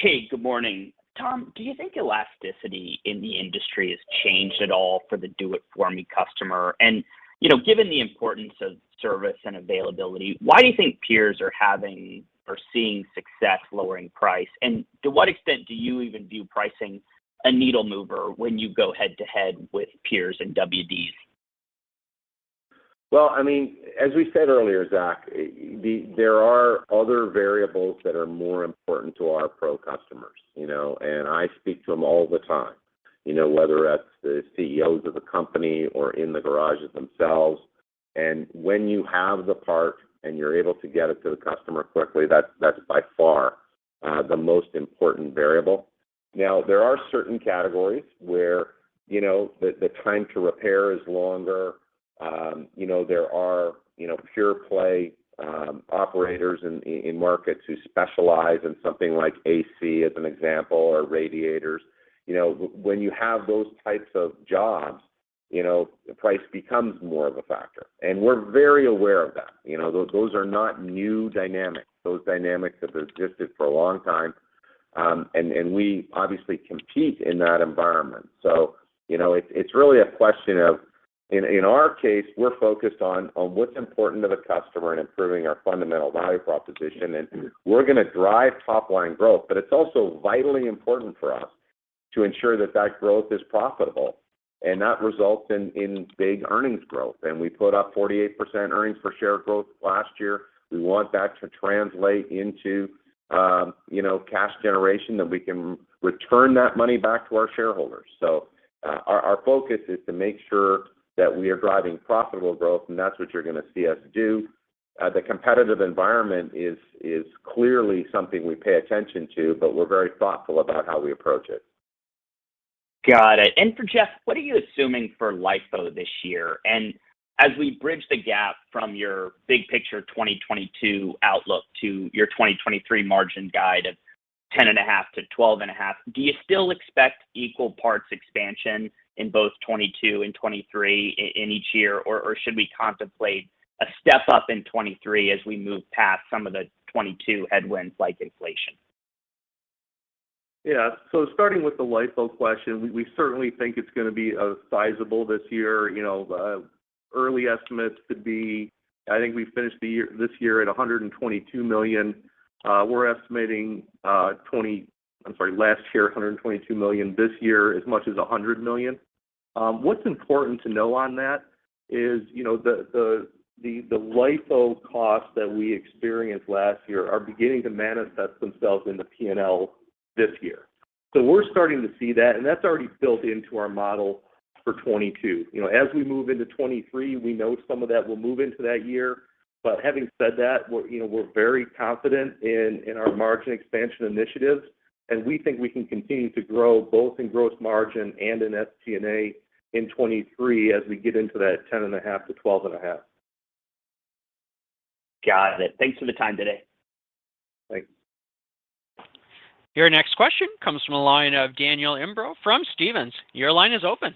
N: Hey, good morning. Tom, do you think elasticity in the industry has changed at all for the do-it-for-me customer? You know, given the importance of service and availability, why do you think peers are having or seeing success lowering price? To what extent do you even view pricing a needle mover when you go head to head with peers and WDs?
C: Well, I mean, as we said earlier, Zach, there are other variables that are more important to our pro customers, you know, and I speak to them all the time, you know, whether that's the CEOs of the company or in the garages themselves. When you have the part and you're able to get it to the customer quickly, that's by far the most important variable. Now, there are certain categories where, you know, the time to repair is longer. You know, there are pure play operators in markets who specialize in something like AC as an example or radiators. When you have those types of jobs, you know, price becomes more of a factor, and we're very aware of that. You know. Those are not new dynamics. Those dynamics have existed for a long time, and we obviously compete in that environment. You know, it's really a question of in our case, we're focused on what's important to the customer and improving our fundamental value proposition, and we're gonna drive top line growth. It's also vitally important for us to ensure that that growth is profitable. That results in big earnings growth. We put up 48% earnings per share growth last year. We want that to translate into, you know, cash generation that we can return that money back to our shareholders. Our focus is to make sure that we are driving profitable growth, and that's what you're gonna see us do. The competitive environment is clearly something we pay attention to, but we're very thoughtful about how we approach it.
N: Got it. For Jeff, what are you assuming for LIFO this year? As we bridge the gap from your big picture 2022 outlook to your 2023 margin guide of 10.5%-12.5%, do you still expect equal parts expansion in both 2022 and 2023 in each year, or should we contemplate a step up in 2023 as we move past some of the 2022 headwinds like inflation?
D: Yeah. Starting with the LIFO question, we certainly think it's gonna be sizable this year. You know, the early estimates could be. I think we finished last year at $122 million. This year, as much as $100 million. What's important to know on that is, you know, the LIFO costs that we experienced last year are beginning to manifest themselves in the P&L this year. We're starting to see that, and that's already built into our model for 2022. You know, as we move into 2023, we know some of that will move into that year. Having said that, we're, you know, very confident in our margin expansion initiatives, and we think we can continue to grow both in gross margin and in SG&A in 2023 as we get into that 10.5%-12.5%.
N: Got it. Thanks for the time today.
D: Thanks.
A: Your next question comes from the line of Daniel Imbro from Stephens. Your line is open.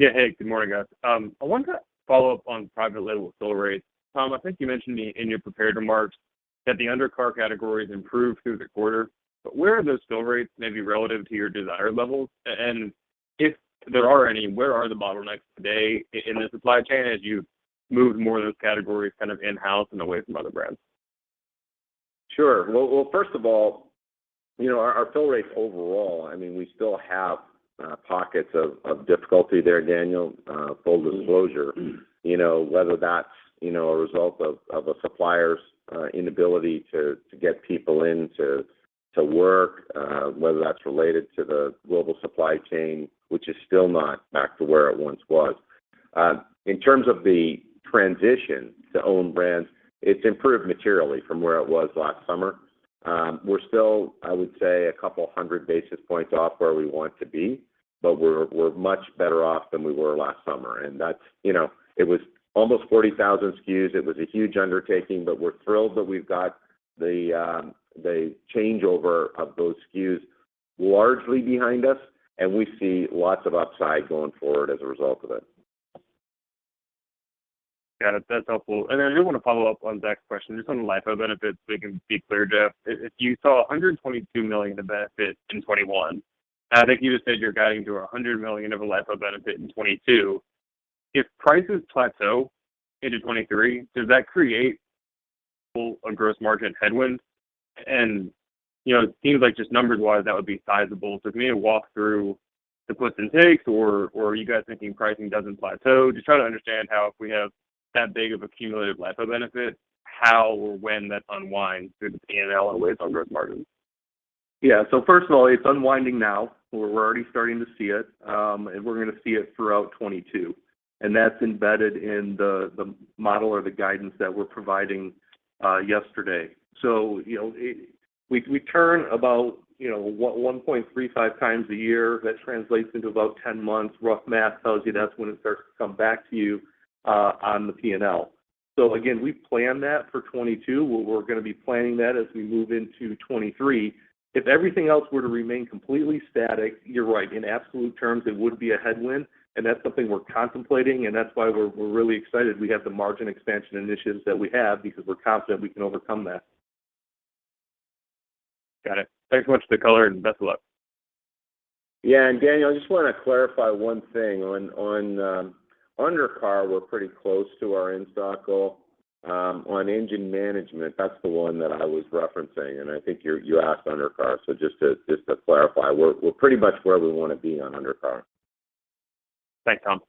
O: Yeah. Hey, good morning, guys. I wanted to follow up on private label fill rates. Tom, I think you mentioned in your prepared remarks that the undercar category has improved through the quarter. Where are those fill rates maybe relative to your desired levels? If there are any, where are the bottlenecks today in the supply chain as you move more of those categories kind of in-house and away from other brands?
C: Sure. Well, first of all, you know, our fill rates overall, I mean, we still have pockets of difficulty there, Daniel, full disclosure. You know, whether that's a result of a supplier's inability to get people in to work, whether that's related to the global supply chain, which is still not back to where it once was. In terms of the transition to own brands, it's improved materially from where it was last summer. We're still, I would say, a couple hundred basis points off where we want to be, but we're much better off than we were last summer. That's, you know. It was almost 40,000 SKUs. It was a huge undertaking, but we're thrilled that we've got the changeover of those SKUs largely behind us, and we see lots of upside going forward as a result of it.
O: Got it. That's helpful. Then I do wanna follow up on Zach's question, just on LIFO benefits, so we can be clear, Jeff. If you saw $122 million of benefits in 2021, and I think you just said you're guiding to $100 million of a LIFO benefit in 2022, if prices plateau into 2023, does that create a gross margin headwind? You know, it seems like just numbers-wise, that would be sizable. Can you walk through the puts and takes, or are you guys thinking pricing doesn't plateau? Just trying to understand how if we have that big of a cumulative LIFO benefit, how or when that unwinds through the P&L and weighs on gross margins.
D: Yeah. First of all, it's unwinding now. We're already starting to see it, and we're gonna see it throughout 2022. That's embedded in the model or the guidance that we're providing yesterday. You know, we turn about, you know, 1.35 times a year. That translates into about 10 months. Rough math tells you that's when it starts to come back to you on the P&L. Again, we've planned that for 2022. We're gonna be planning that as we move into 2023. If everything else were to remain completely static, you're right. In absolute terms, it would be a headwind, and that's something we're contemplating, and that's why we're really excited we have the margin expansion initiatives that we have, because we're confident we can overcome that.
O: Got it. Thanks so much for the color, and best of luck.
C: Yeah. Daniel, I just wanna clarify one thing. On undercar, we're pretty close to our in-stock goal. On engine management, that's the one that I was referencing, and I think you asked undercar. Just to clarify, we're pretty much where we wanna be on undercar.
O: Thanks, Tom.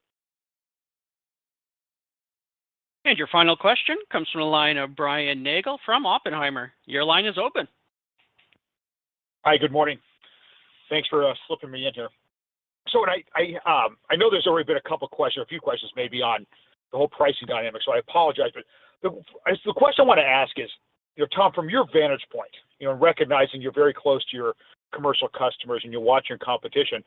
A: Your final question comes from the line of Brian Nagel from Oppenheimer. Your line is open.
P: Hi, good morning. Thanks for slipping me in here. I know there's already been a couple questions or a few questions maybe on the whole pricing dynamic, so I apologize, but the question I wanna ask is, you know, Tom, from your vantage point, you know, recognizing you're very close to your commercial customers and you're watching competition,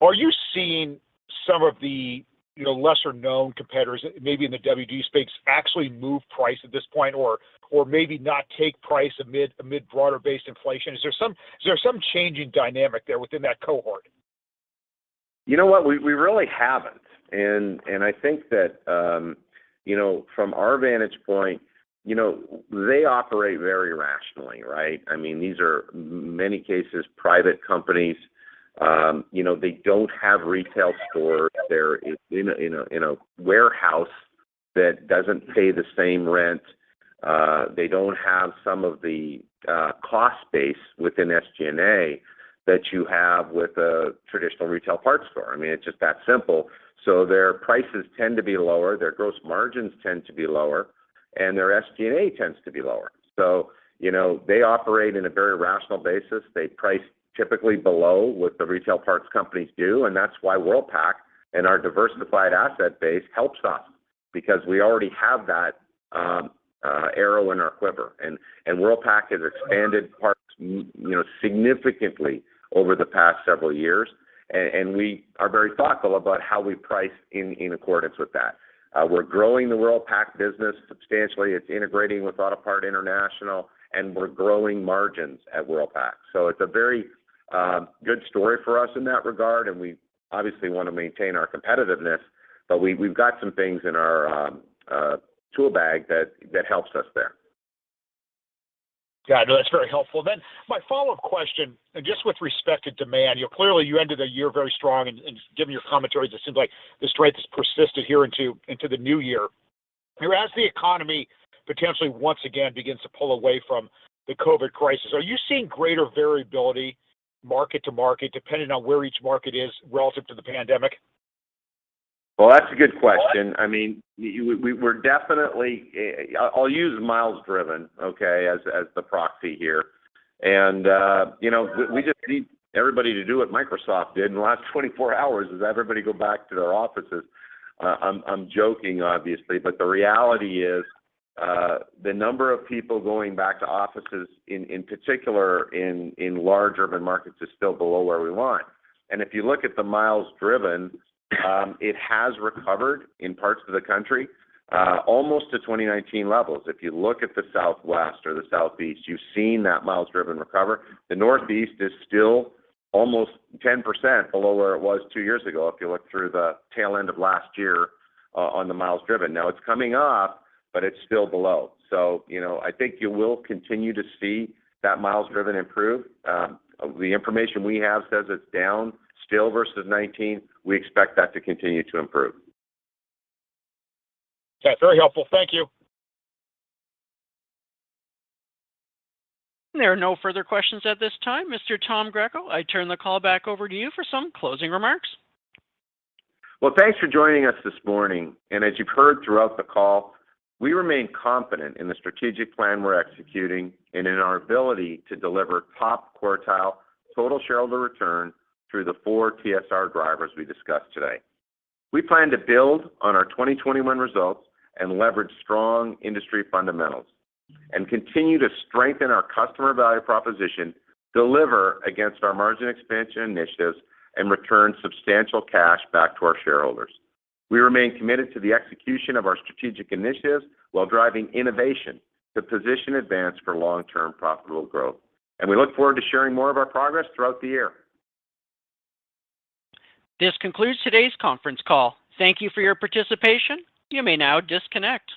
P: are you seeing some of the, you know, lesser-known competitors maybe in the WD space actually move price at this point or maybe not take price amid broader-based inflation? Is there some change in dynamic there within that cohort?
C: You know what? We really haven't. I think that you know, from our vantage point, you know, they operate very rationally, right? I mean, these are in many cases private companies. You know, they don't have retail stores. They're in a warehouse that doesn't pay the same rent. They don't have some of the cost base within SG&A that you have with a traditional retail parts store. I mean, it's just that simple, so their prices tend to be lower, their gross margins tend to be lower, and their SG&A tends to be lower. You know, they operate on a very rational basis. They price typically below what the retail parts companies do, and that's why Worldpac and our diversified asset base helps us because we already have that arrow in our quiver and Worldpac has expanded parts, you know, significantly over the past several years. And we are very thoughtful about how we price in accordance with that. We're growing the Worldpac business substantially. It's integrating with Autopart International, and we're growing margins at Worldpac. So it's a very good story for us in that regard, and we obviously wanna maintain our competitiveness. But we've got some things in our tool bag that helps us there.
P: Got it. No, that's very helpful. My follow-up question, just with respect to demand, you know, clearly you ended the year very strong and given your commentary, it seems like the strength has persisted here into the new year. You know, as the economy potentially once again begins to pull away from the COVID crisis, are you seeing greater variability market to market, depending on where each market is relative to the pandemic?
C: Well, that's a good question. I mean, we'll use miles driven as the proxy here. You know, we just need everybody to do what Microsoft did in the last 24 hours is everybody go back to their offices. I'm joking obviously, but the reality is, the number of people going back to offices in particular in large urban markets is still below where we want. If you look at the miles driven, it has recovered in parts of the country almost to 2019 levels. If you look at the Southwest or the Southeast, you've seen that miles driven recover. The Northeast is still almost 10% below where it was two years ago, if you look through the tail end of last year on the miles driven. Now it's coming up, but it's still below. You know, I think you will continue to see that miles driven improve. The information we have says it's down still versus 2019. We expect that to continue to improve.
P: Okay, very helpful. Thank you.
A: There are no further questions at this time. Mr. Tom Greco, I turn the call back over to you for some closing remarks.
C: Well, thanks for joining us this morning. As you've heard throughout the call, we remain confident in the strategic plan we're executing and in our ability to deliver top quartile total shareholder return through the four TSR drivers we discussed today. We plan to build on our 2021 results and leverage strong industry fundamentals and continue to strengthen our customer value proposition, deliver against our margin expansion initiatives, and return substantial cash back to our shareholders. We remain committed to the execution of our strategic initiatives while driving innovation to position Advance for long-term profitable growth. We look forward to sharing more of our progress throughout the year.
A: This concludes today's conference call. Thank you for your participation. You may now disconnect.